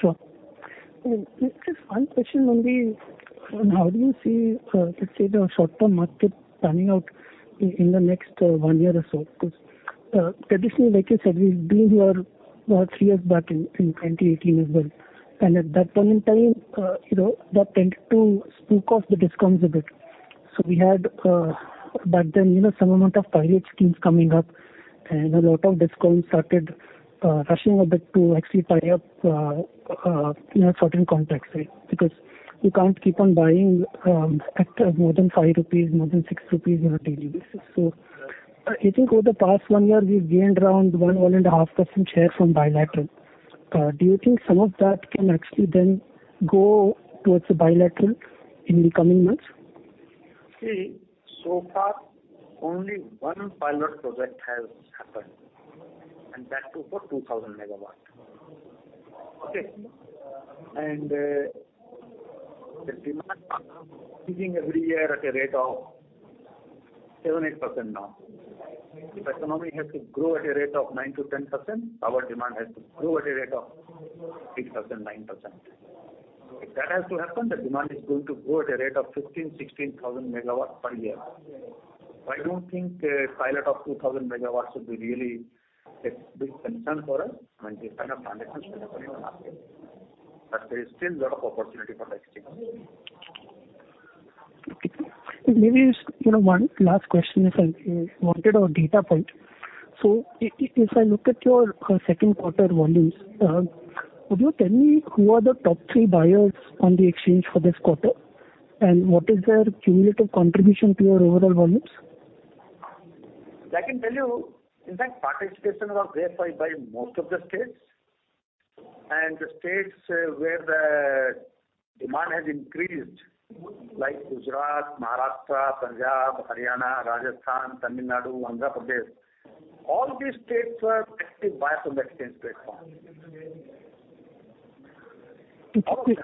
Sure. Just one question on how do you see, let's say the short-term market panning out in the next one year or so? Traditionally, like you said, we've been here about three years back in 2018 as well. At that point in time, that tended to spook off the DISCOMs a bit. We had back then some amount of private schemes coming up, and a lot of DISCOMs started rushing a bit to actually buy up certain contracts. You can't keep on buying at more than 5 rupees, more than 6 rupees on a daily basis. I think over the past one year, we've gained around 1%, 1.5% share from bilateral. Do you think some of that can actually then go towards the bilateral in the coming months? So far, only one pilot project has happened, and that too for 2,000 MW. Okay. The demand is increasing every year at a rate of 7%-8% now. If economy has to grow at a rate of 9%-10%, power demand has to grow at a rate of 6%, 9%. If that has to happen, the demand is going to grow at a rate of 15,000 MW, 16,000 MW per year. I don't think a pilot of 2,000 MW would be really a big concern for us. I mean, it's a kind of foundation for the whole market. There is still a lot of opportunity for the exchange. Maybe just one last question. If I wanted a data point. If I look at your second quarter volumes, would you tell me who are the top three buyers on the exchange for this quarter? What is their cumulative contribution to your overall volumes? I can tell you, in fact, participation was great by most of the states. The states where the demand has increased, like Gujarat, Maharashtra, Punjab, Haryana, Rajasthan, Tamil Nadu, Andhra Pradesh, all these states were active buyers on the exchange platform. Okay.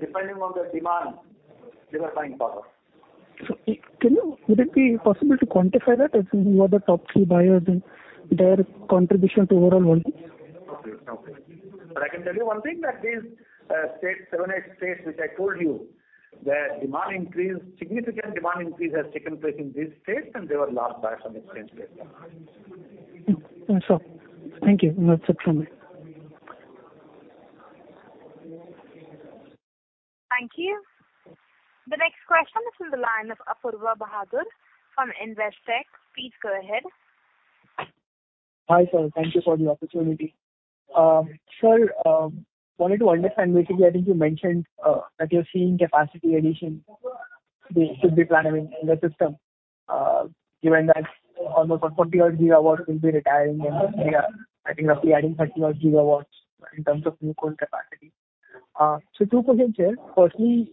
Depending on the demand, they were buying power. Sir, would it be possible to quantify that as in who are the top three buyers and their contribution to overall volume? Okay. I can tell you one thing, that these seven, eight states which I told you, significant demand increase has taken place in these states, and they were large buyers on exchange platform. Sure. Thank you. That's it from me. Thank you. The next question is on the line of Apoorva Bahadur from Investec. Please go ahead. Hi, sir. Thank you for the opportunity. Sir, wanted to understand, basically, I think you mentioned that you're seeing capacity addition which should be planning in the system. Given that almost 40-odd GW will be retiring and we are, I think, will be adding 30-odd GW in terms of new coal capacity. Two questions here. Firstly,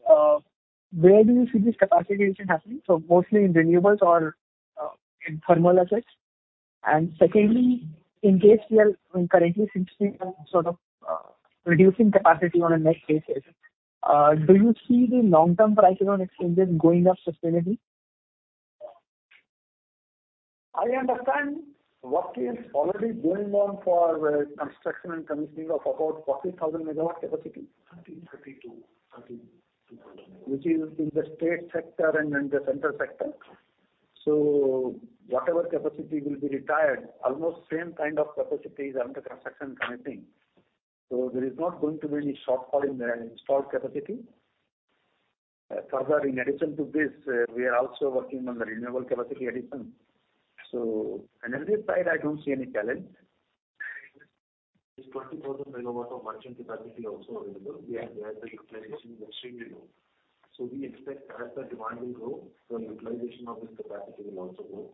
where do you see this capacity addition happening? Mostly in renewables or in thermal assets? Secondly, in case we are currently seeing some sort of reducing capacity on a net basis, do you see the long-term price on exchanges going up sustainably? I understand work is already going on for construction and commissioning of about 40,000 MW capacity. Thirty-two. 32,000, which is in the state sector and in the central sector. Whatever capacity will be retired, almost same kind of capacity is under construction commissioning. There is not going to be any shortfall in the installed capacity. Further, in addition to this, we are also working on the renewable capacity addition. Energy side, I don't see any challenge. This 20,000 MW of merchant capacity also available. Their utilization is extremely low. We expect as the demand will grow, so utilization of this capacity will also grow.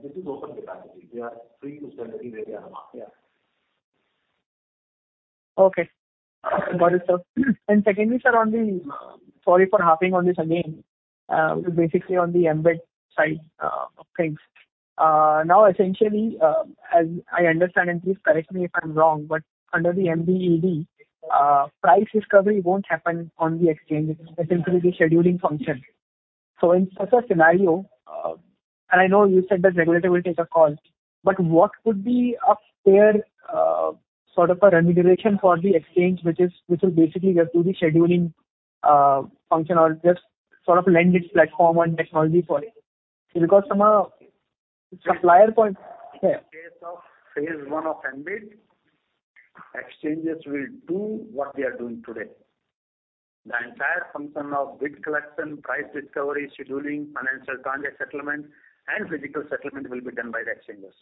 This is open capacity. We are free to sell it anywhere we are. Yeah. Okay. Got it, sir. Secondly, sir, sorry for harping on this again, basically on the MBED side of things. Essentially, as I understand, and please correct me if I'm wrong, but under the MBED, price discovery won't happen on the exchange. It will simply be a scheduling function. In such a scenario, and I know you said that regulator will take a call, but what could be a fair remediation for the exchange, which will basically just do the scheduling function or just lend its platform and technology for it? Because from a supplier point. In case of phase I of MBED, exchanges will do what they are doing today. The entire function of bid collection, price discovery, scheduling, financial contract settlement, and physical settlement will be done by the exchanges.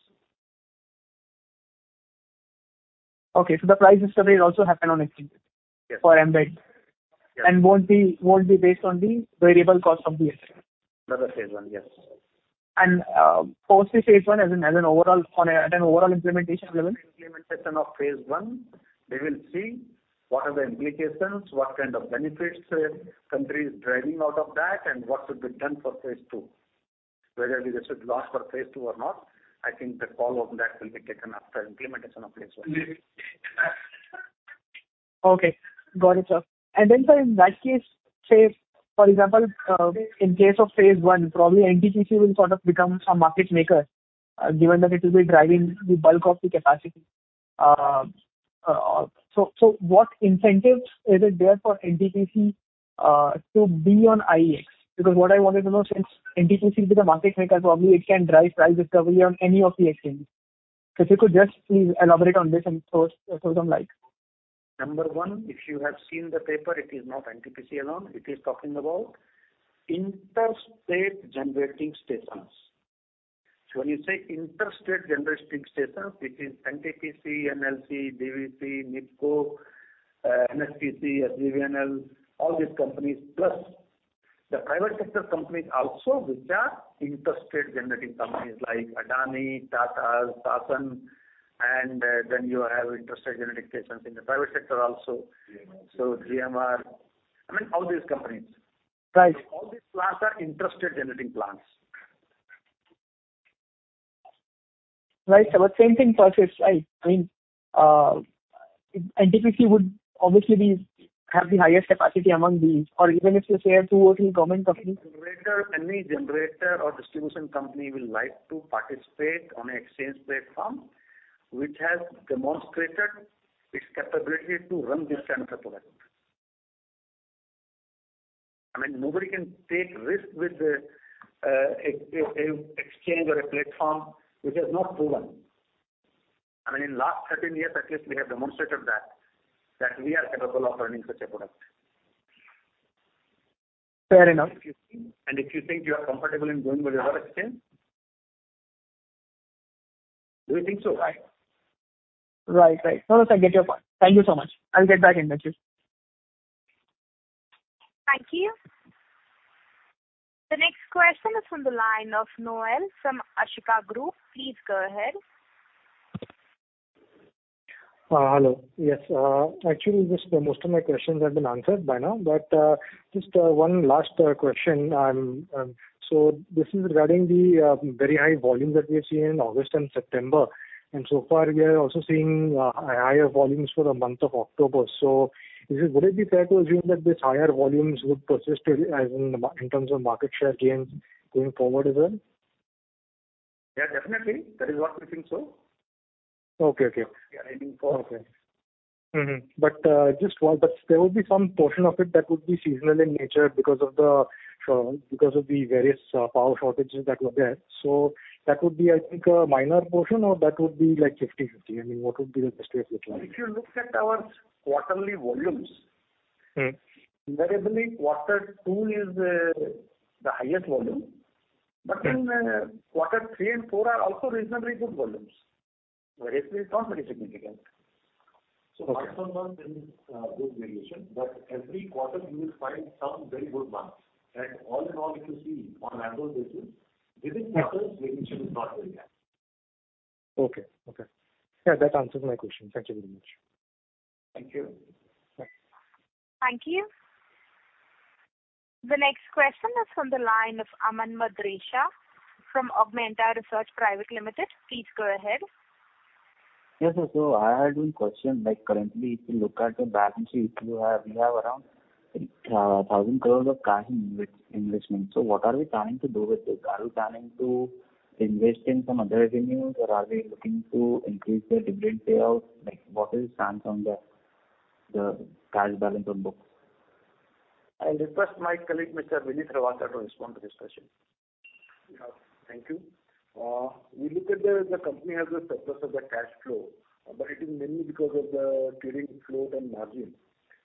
Okay, the price discovery also happen on exchange. Yes For embed. Yes. Won't be based on the variable cost of the asset. Under phase I, yes. Post the phase I at an overall implementation level? Implementation of phase I, we will see what are the implications, what kind of benefits country is deriving out of that, and what should be done for phase II. Whether we should launch for phase II or not, I think the call on that will be taken after implementation of phase I. Okay. Got it, sir. Sir, in that case, say, for example, in case of phase one, probably NTPC will become some market maker, given that it will be driving the bulk of the capacity. What incentives is it there for NTPC to be on IEX? What I wanted to know, since NTPC will be the market maker, probably it can drive price discovery on any of the exchange. If you could just please elaborate on this and throw some light. Number one, if you have seen the paper, it is not NTPC alone. It is talking about interstate generating stations. When you say interstate generating stations, it is NTPC, NLC, DVC, NEEPCO, NHPC, SJVN, all these companies, plus the private sector companies also, which are interstate generating companies like Adani, Tata, uncertain, and then you have interstate generating stations in the private sector also. GMR, I mean, all these companies. Right. All these plants are interstate generating plants. Right. Same thing applies here, sir. I mean, NTPC would obviously have the highest capacity among these, or even if you say a two or three government companies. Any generator or distribution company will like to participate on an exchange platform which has demonstrated its capability to run this kind of product. I mean, nobody can take risk with an exchange or a platform which has not proven. I mean, in last 13 years at least, we have demonstrated that we are capable of running such a product. Fair enough. If you think you are comfortable in going with other exchange. Do you think so? Right. No, sir, I get your point. Thank you so much. I'll get back in touch with you. Thank you. The next question is from the line of Noel from Ashika Group. Please go ahead. Hello. Yes. Actually, most of my questions have been answered by now, but just one last question. This is regarding the very high volume that we have seen in August and September, and so far, we are also seeing higher volumes for the month of October. Would it be fair to assume that these higher volumes would persist in terms of market share gains going forward as well? Yeah, definitely. That is what we think so. Okay. We are aiming for. Okay. There will be some portion of it that would be seasonal in nature because of the various power shortages that were there. That would be, I think, a minor portion, or that would be 50-50. I mean, what would be the best way of looking at it? If you look at our quarterly volumes. Invariably, quarter two is the highest volume. Quarter three and four are also reasonably good volumes. The rest is not very significant. Okay. Month-on-month, there is good variation, but every quarter you will find some very good months. All in all, if you see on annual basis, within quarters, variation is not very high. Okay. Yeah, that answers my question. Thank you very much. Thank you. Thanks. Thank you. The next question is from the line of Aman Madrecha from Augmenta Research Pvt Ltd. Please go ahead. Yes, sir. I had one question. Like currently, if you look at the balance sheet, we have around 1,000 crores of cash in investments. What are we planning to do with this? Are we planning to invest in some other revenues, or are we looking to increase the dividend payout? What is the stance on the cash balance on books? I'll request my colleague, Mr. Vineet Harlalka to respond to this question. Yeah. Thank you. We look at the company has a surplus of the cash flow, but it is mainly because of the carrying float and margin,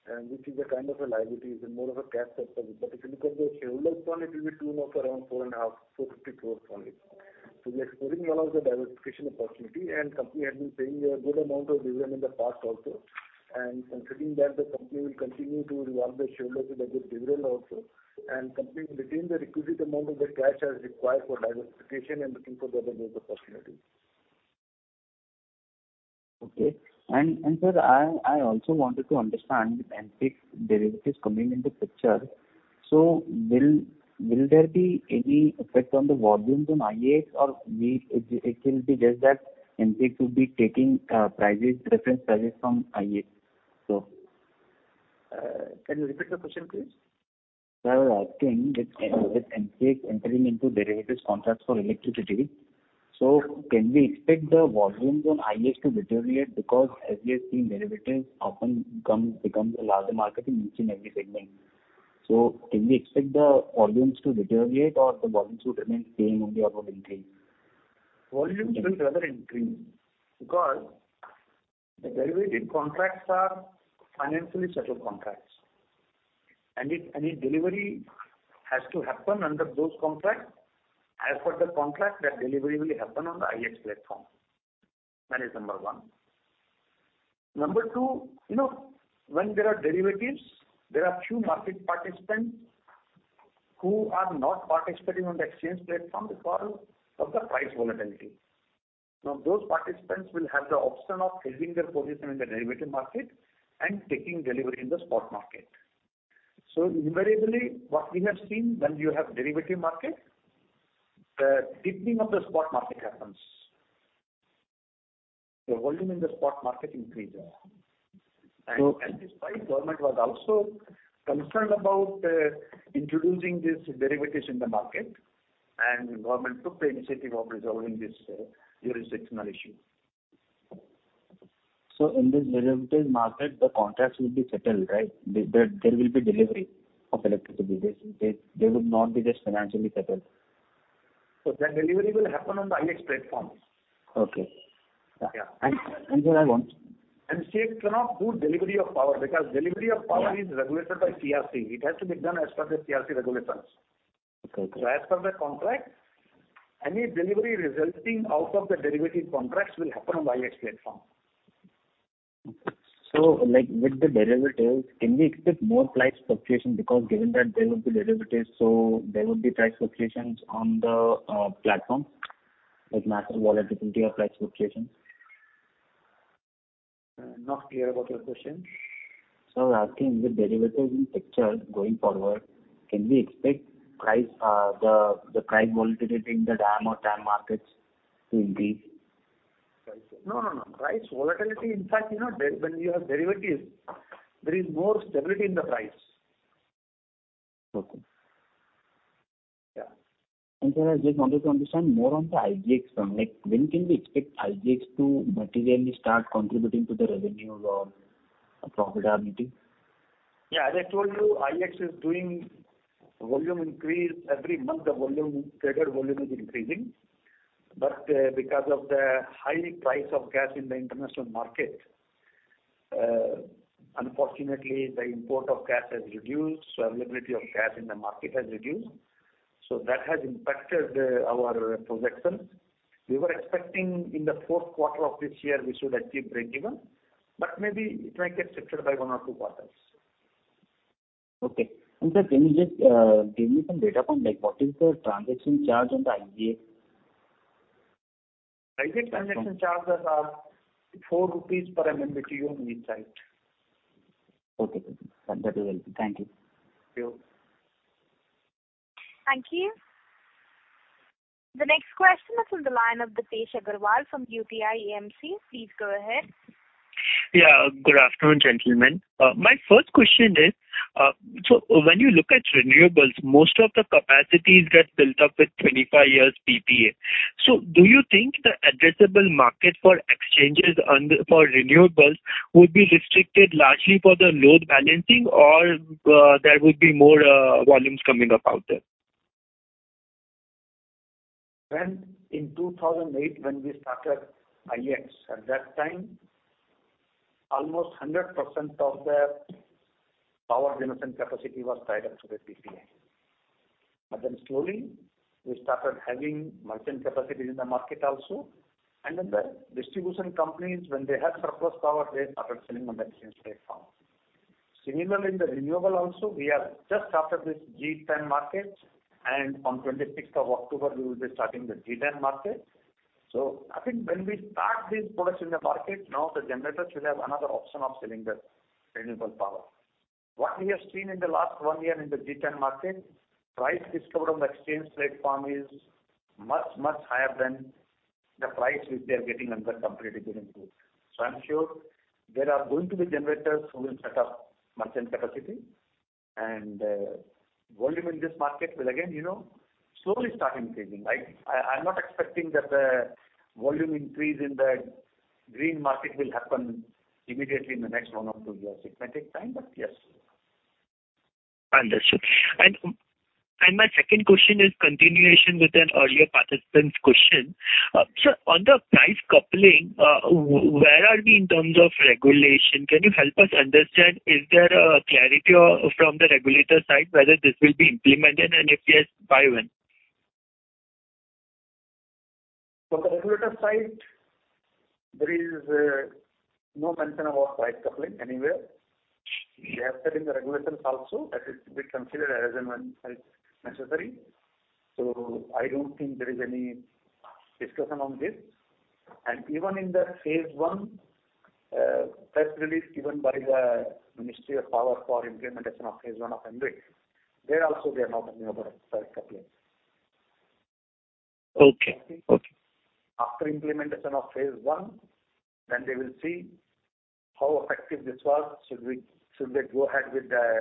and which is a kind of a liability, is more of a cash surplus. If you look at the shareholders' fund, it will be tune of around 450 crore only. We are exploring all of the diversification opportunity, and company has been paying a good amount of dividend in the past also. Considering that, the company will continue to reward the shareholders with a good dividend also. Company will retain the requisite amount of the cash as required for diversification and looking for the other growth opportunities. Okay. Sir, I also wanted to understand with MCX derivatives coming into picture, will there be any effect on the volumes on IEX, or it will be just that MCX will be taking reference prices from IEX? Can you repeat the question, please? Sir, I was asking, with MCX entering into derivatives contracts for electricity, can we expect the volumes on IEX to deteriorate because as we have seen, derivatives often become the larger market in each and every segment. Can we expect the volumes to deteriorate or the volumes would remain same only or would increase? Volumes will rather increase because the derivative contracts are financially settled contracts. If any delivery has to happen under those contracts, as per the contract, that delivery will happen on the IEX platform. That is number one. Number two, when there are derivatives, there are few market participants who are not participating on the exchange platform because of the price volatility. Those participants will have the option of hedging their position in the derivative market and taking delivery in the spot market. Invariably, what we have seen when you have derivative market, the deepening of the spot market happens. The volume in the spot market increases. Despite, Government was also concerned about introducing these derivatives in the market, and Government took the initiative of resolving this jurisdictional issue. In this derivatives market, the contracts will be settled, right? There will be delivery of electricity. They would not be just financially settled. Their delivery will happen on the IEX platform. Okay. Yeah. Sir. See, it cannot do delivery of power because delivery of power is regulated by CERC. It has to be done as per the CERC regulations. Okay. As per the contract, any delivery resulting out of the derivative contracts will happen on IEX platform. Like with the derivatives, can we expect more price fluctuations because given that there would be derivatives, so there would be price fluctuations on the platform, like massive volatility or price fluctuations? I'm not clear about your question. Sir, I'm asking, with derivatives in picture going forward, can we expect the price volatility in the DAM or TAM markets to increase? No. Price volatility, in fact, when you have derivatives, there is more stability in the price. Okay. Yeah. Sir, I just wanted to understand more on the IGX front. When can we expect IGX to materially start contributing to the revenues or profitability? Yeah, as I told you, IGX is doing volume increase. Every month the traded volume is increasing. Because of the high price of gas in the international market, unfortunately, the import of gas has reduced, so availability of gas in the market has reduced. That has impacted our projections. We were expecting in the fourth quarter of this year, we should achieve breakeven, but maybe it might get shifted by one or two quarters. Okay. Sir, can you just give me some data point, like what is the transaction charge on the IGX? I think transaction charges are INR 4 per MMBTU on each side. Okay. That will help me. Thank you. Thank you. Thank you. The next question is on the line of Deepesh Agarwal from UTI AMC. Please go ahead. Good afternoon, gentlemen. My first question is, when you look at renewables, most of the capacities get built up with 25 years PPA. Do you think the addressable market for exchanges for renewables would be restricted largely for the load balancing, or there would be more volumes coming up out there? In 2008, we started IEX, at that time, almost 100% of the power generation capacity was tied up to the PPA. Slowly we started having merchant capacity in the market also. The distribution companies, when they had surplus power, they started selling on the exchange platform. Similarly, in the renewable also, we have just started this GTAM market, and on 26th of October, we will be starting the GTAM market. I think when we start these products in the market, now the generators will have another option of selling the renewable power. What we have seen in the last one year in the GTAM market, price discovered on the exchange platform is much, much higher than the price which they are getting under competitive bidding route. I'm sure there are going to be generators who will set up merchant capacity. Volume in this market will again, slowly start increasing. I'm not expecting that the volume increase in the green market will happen immediately in the next one or two years. It might take time, yes. Understood. My second question is continuation with an earlier participant's question. Sir, on the price coupling, where are we in terms of regulation? Can you help us understand, is there a clarity from the regulator side whether this will be implemented, and if yes, by when? From the regulator side, there is no mention about price coupling anywhere. We have said in the regulations also that it will be considered as and when it's necessary. I don't think there is any discussion on this. Even in the phase one press release given by the Ministry of Power for implementation of phase one of MBED, there also they are not talking about price coupling. Okay. After implementation of phase I, they will see how effective this was. Should they go ahead with the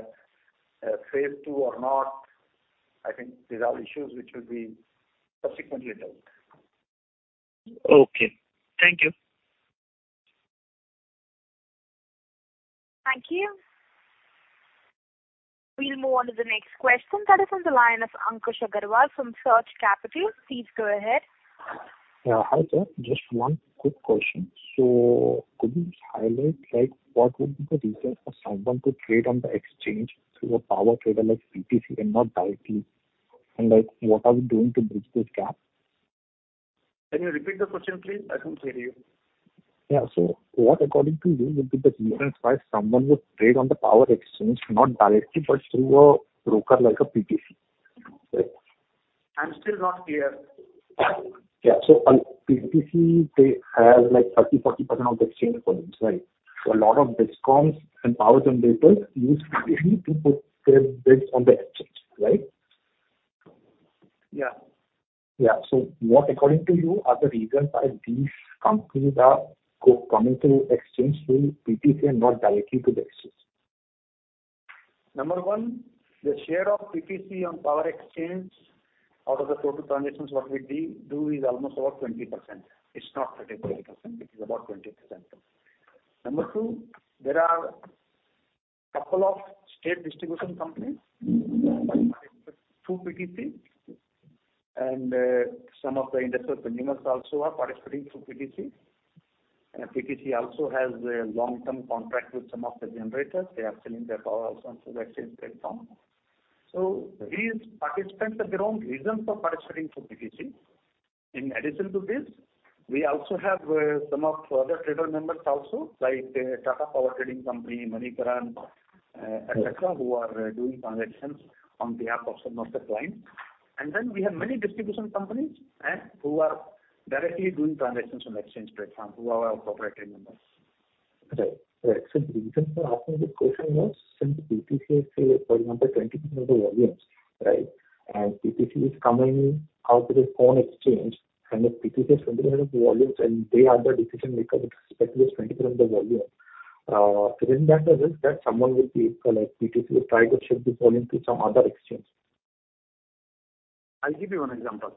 phase II or not? I think these are issues which will be subsequently dealt with. Okay. Thank you. Thank you. We'll move on to the next question that is on the line of Ankush Agrawal from Surge Capital. Please go ahead. Yeah. Hi, sir. Just one quick question. Could you just highlight, what would be the reason for someone to trade on the exchange through a power trader like PTC and not directly? What are we doing to bridge this gap? Can you repeat the question, please? I couldn't hear you. Yeah. What according to you would be the reason why someone would trade on the power exchange, not directly, but through a broker like a PTC? Right. I'm still not clear. Yeah. PTC, they have 30%, 40% of the exchange volumes, right? A lot of DISCOMs and power generators use PTC to put their bids on the exchange, right? Yeah. Yeah. What, according to you, are the reasons why these companies are coming to exchange through PTC and not directly to the exchange? Number one, the share of PTC on power exchange out of the total transactions what we do is almost about 20%. It's not 30%, 40%, it is about 20%. Number two, there are couple of state distribution companies participating through PTC, some of the industrial consumers also are participating through PTC. PTC also has a long-term contract with some of the generators. They are selling their power also through the exchange platform. These participants have their own reasons for participating through PTC. In addition to this, we also have some of the other trader members also, like Tata Power Trading Company, Manikaran, et cetera, who are doing transactions on behalf of some of the clients. We have many distribution companies, who are directly doing transactions on exchange platform, who are our corporate members. Right. The reason for asking this question was, since PTC is handling 20% of the volumes and PTC is coming out with its own exchange, and if PTC has 20% of the volumes and they are the decision maker with respect to this 20% of the volume, isn't there a risk that someone will be, like PTC will try to shift this volume to some other exchange? I'll give you one example.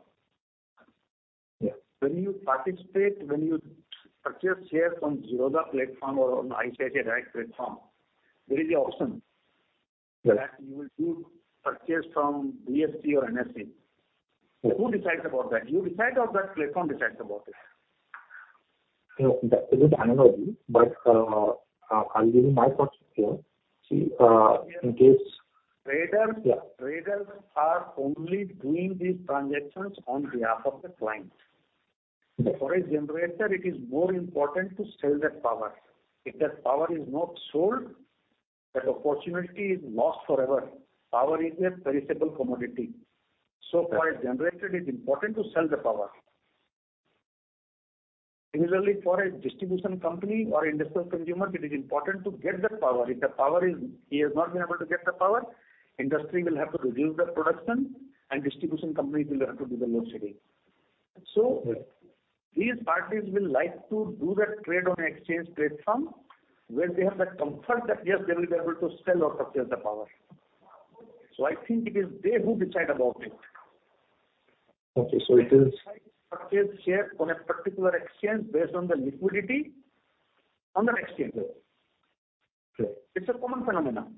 Yeah. When you participate, when you purchase shares from Zerodha platform or on ICICI Direct platform, there is a option. Yeah That you will do purchase from BSE or NSE. Yeah. Who decides about that? You decide or that platform decides about it? That's a good analogy, but I'll give you my perspective. Traders are only doing these transactions on behalf of the client. Yes. For a generator, it is more important to sell that power. If that power is not sold, that opportunity is lost forever. Power is a perishable commodity. For a generator, it is important to sell the power. Similarly, for a distribution company or industrial consumer, it is important to get the power. If he has not been able to get the power, industry will have to reduce the production. Distribution companies will have to do the load shedding. Yes. These parties will like to do that trade on an exchange platform where they have that comfort that, yes, they will be able to sell or purchase the power. I think it is they who decide about it. Okay, it is? Purchase shares on a particular exchange based on the liquidity on that exchange. Okay. It's a common phenomenon.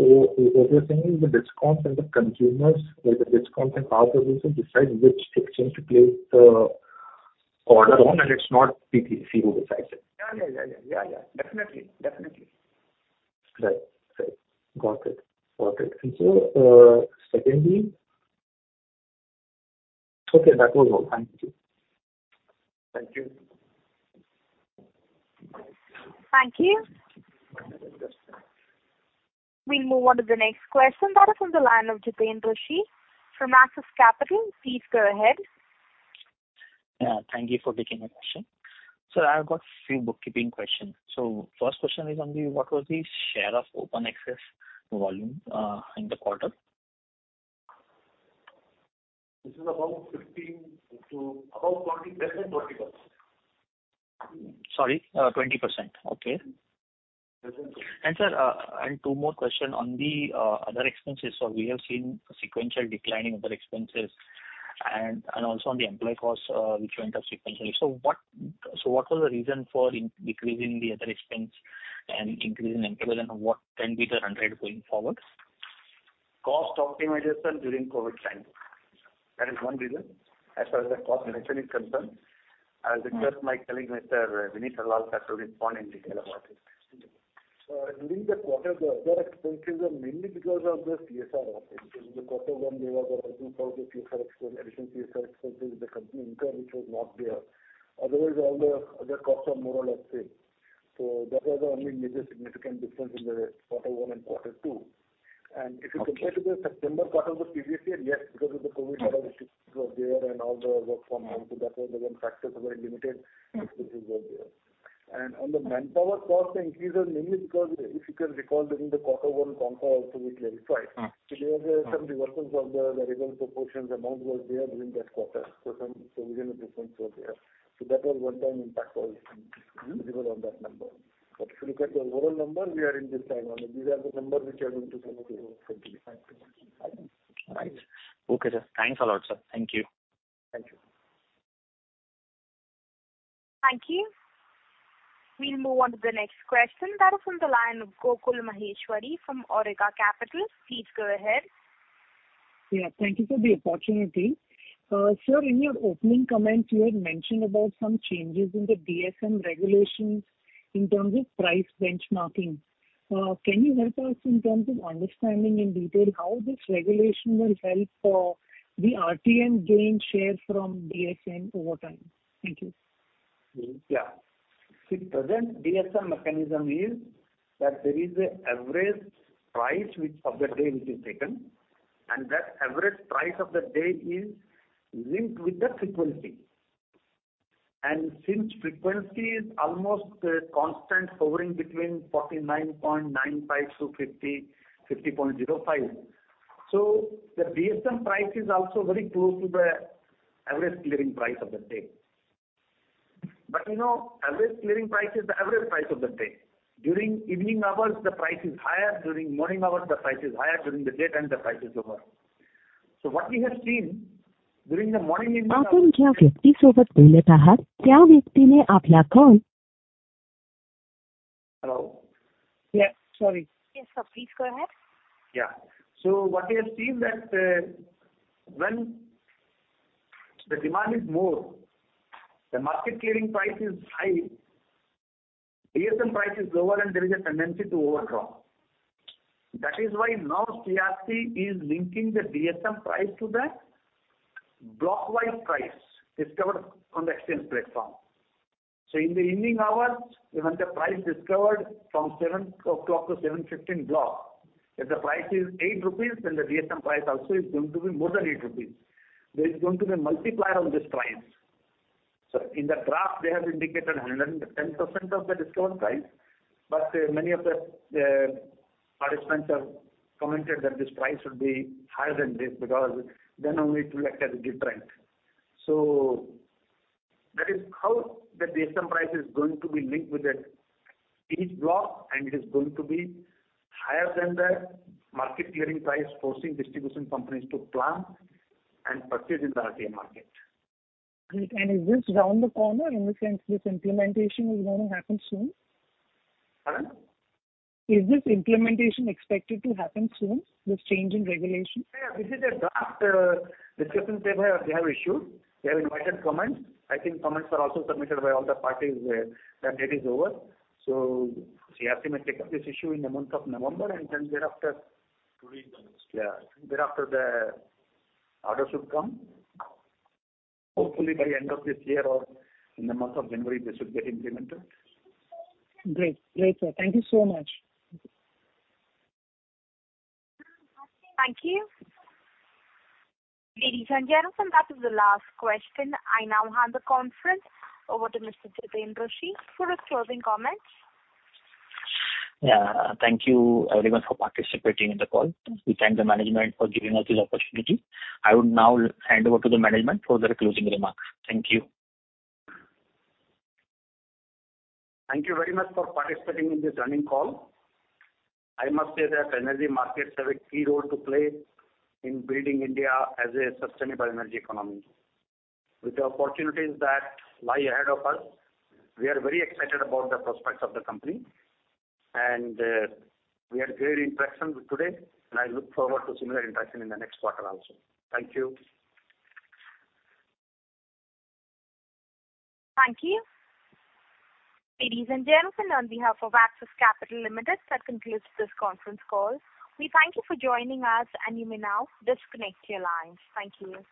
Right. What you're saying is the DISCOMs and the consumers, like the DISCOMs and power producers decide which exchange to place the order on, and it's not PTC who decides it. Yeah. Definitely. Right. Got it. Secondly Okay, that was all. Thank you. Thank you. Thank you. We move on to the next question. That is on the line of Jiten Rushi from Axis Capital. Please go ahead. Yeah. Thank you for taking the question. I've got a few bookkeeping questions. First question is on the, what was the share of open access volume in the quarter? This is above 15% to less than 20%. Sorry, 20%. Okay. Less than 20%. Sir, two more questions on the other expenses. We have seen a sequential decline in other expenses and also on the employee costs, which went up sequentially. What was the reason for decrease in the other expense and increase in employee costs, and what can be the trend going forward? Cost optimization during COVID time. That is one reason. As far as the cost reduction is concerned, I'll request my colleague, Mr. Vineet Harlalka, to respond in detail about it. Please. During the quarter, the other expenses are mainly because of the CSR expenses. In the quarter one, there was a rising cost of additional CSR expenses the company incurred which was not there. Otherwise, all the other costs are more or less same. That was the only major significant difference in the quarter one and quarter two. If you compare to the September quarter of the previous year, yes, because of the COVID, were there and all the work from home. That's why even factors were limited, expenses were there. On the manpower cost, the increase was mainly because if you can recall, during the quarter one con call also we clarified. There was some reversal from the variable to portions, amount was there during that quarter. Some genuine difference was there. That was one-time impact also. It was on that number. If you look at the overall number, we are in this time around. These are the numbers which are going to continue going forward. Right. Okay, sir. Thanks a lot, sir. Thank you. Thank you. Thank you. We'll move on to the next question. That is on the line of Gokul Maheshwari from Awriga Capital. Please go ahead. Yeah, thank you for the opportunity. Sir, in your opening comments, you had mentioned about some changes in the DSM regulations in terms of price benchmarking. Can you help us in terms of understanding in detail how this regulation will help the RTM gain share from DSM over time? Thank you. Present DSM mechanism is that there is an average price of the day which is taken. That average price of the day is linked with the frequency. Since frequency is almost constant, hovering between 49.95 to 50.05. The DSM price is also very close to the average clearing price of the day. Average clearing price is the average price of the day. During evening hours, the price is higher, during morning hours, the price is higher, during the daytime, the price is lower. What we have seen during the morning evening hours. Hello? Yeah, sorry. Yes, sir. Please go ahead. What we have seen that when the demand is more, the market clearing price is high, DSM price is lower, and there is a tendency to overdraw. That is why now CERC is linking the DSM price to the block wise price discovered on the exchange platform. In the evening hours, even the price discovered from 7:00 P.M. to 7:15 P.M. block, if the price is 8 rupees, then the DSM price also is going to be more than 8 rupees. There is going to be a multiplier on this price. In the draft, they have indicated 110% of the discovered price. Many of the participants have commented that this price should be higher than this because then only it will act as a deterrent. That is how the DSM price is going to be linked with each block, and it is going to be higher than the market clearing price, forcing distribution companies to plan and purchase in the RTM market. Great. Is this around the corner, in the sense this implementation is going to happen soon? Huh? Is this implementation expected to happen soon, this change in regulation? This is a draft discussion paper they have issued. They have invited comments. I think comments are also submitted by all the parties. That date is over. CERC may take up this issue in the month of November. Two weeks. Thereafter, the order should come. Hopefully, by end of this year or in the month of January, this will get implemented. Great. Great, sir. Thank you so much. Thank you. Ladies and gentlemen, that is the last question. I now hand the conference over to Mr. Jiten Rushi for his closing comments. Yeah. Thank you everyone for participating in the call. We thank the management for giving us this opportunity. I would now hand over to the management for their closing remarks. Thank you. Thank you very much for participating in this earnings call. I must say that energy markets have a key role to play in building India as a sustainable energy economy. With the opportunities that lie ahead of us, we are very excited about the prospects of the company, and we had great interaction today, and I look forward to similar interaction in the next quarter also. Thank you. Thank you. Ladies and gentlemen, on behalf of Axis Capital Limited, that concludes this conference call. We thank you for joining us, and you may now disconnect your lines. Thank you.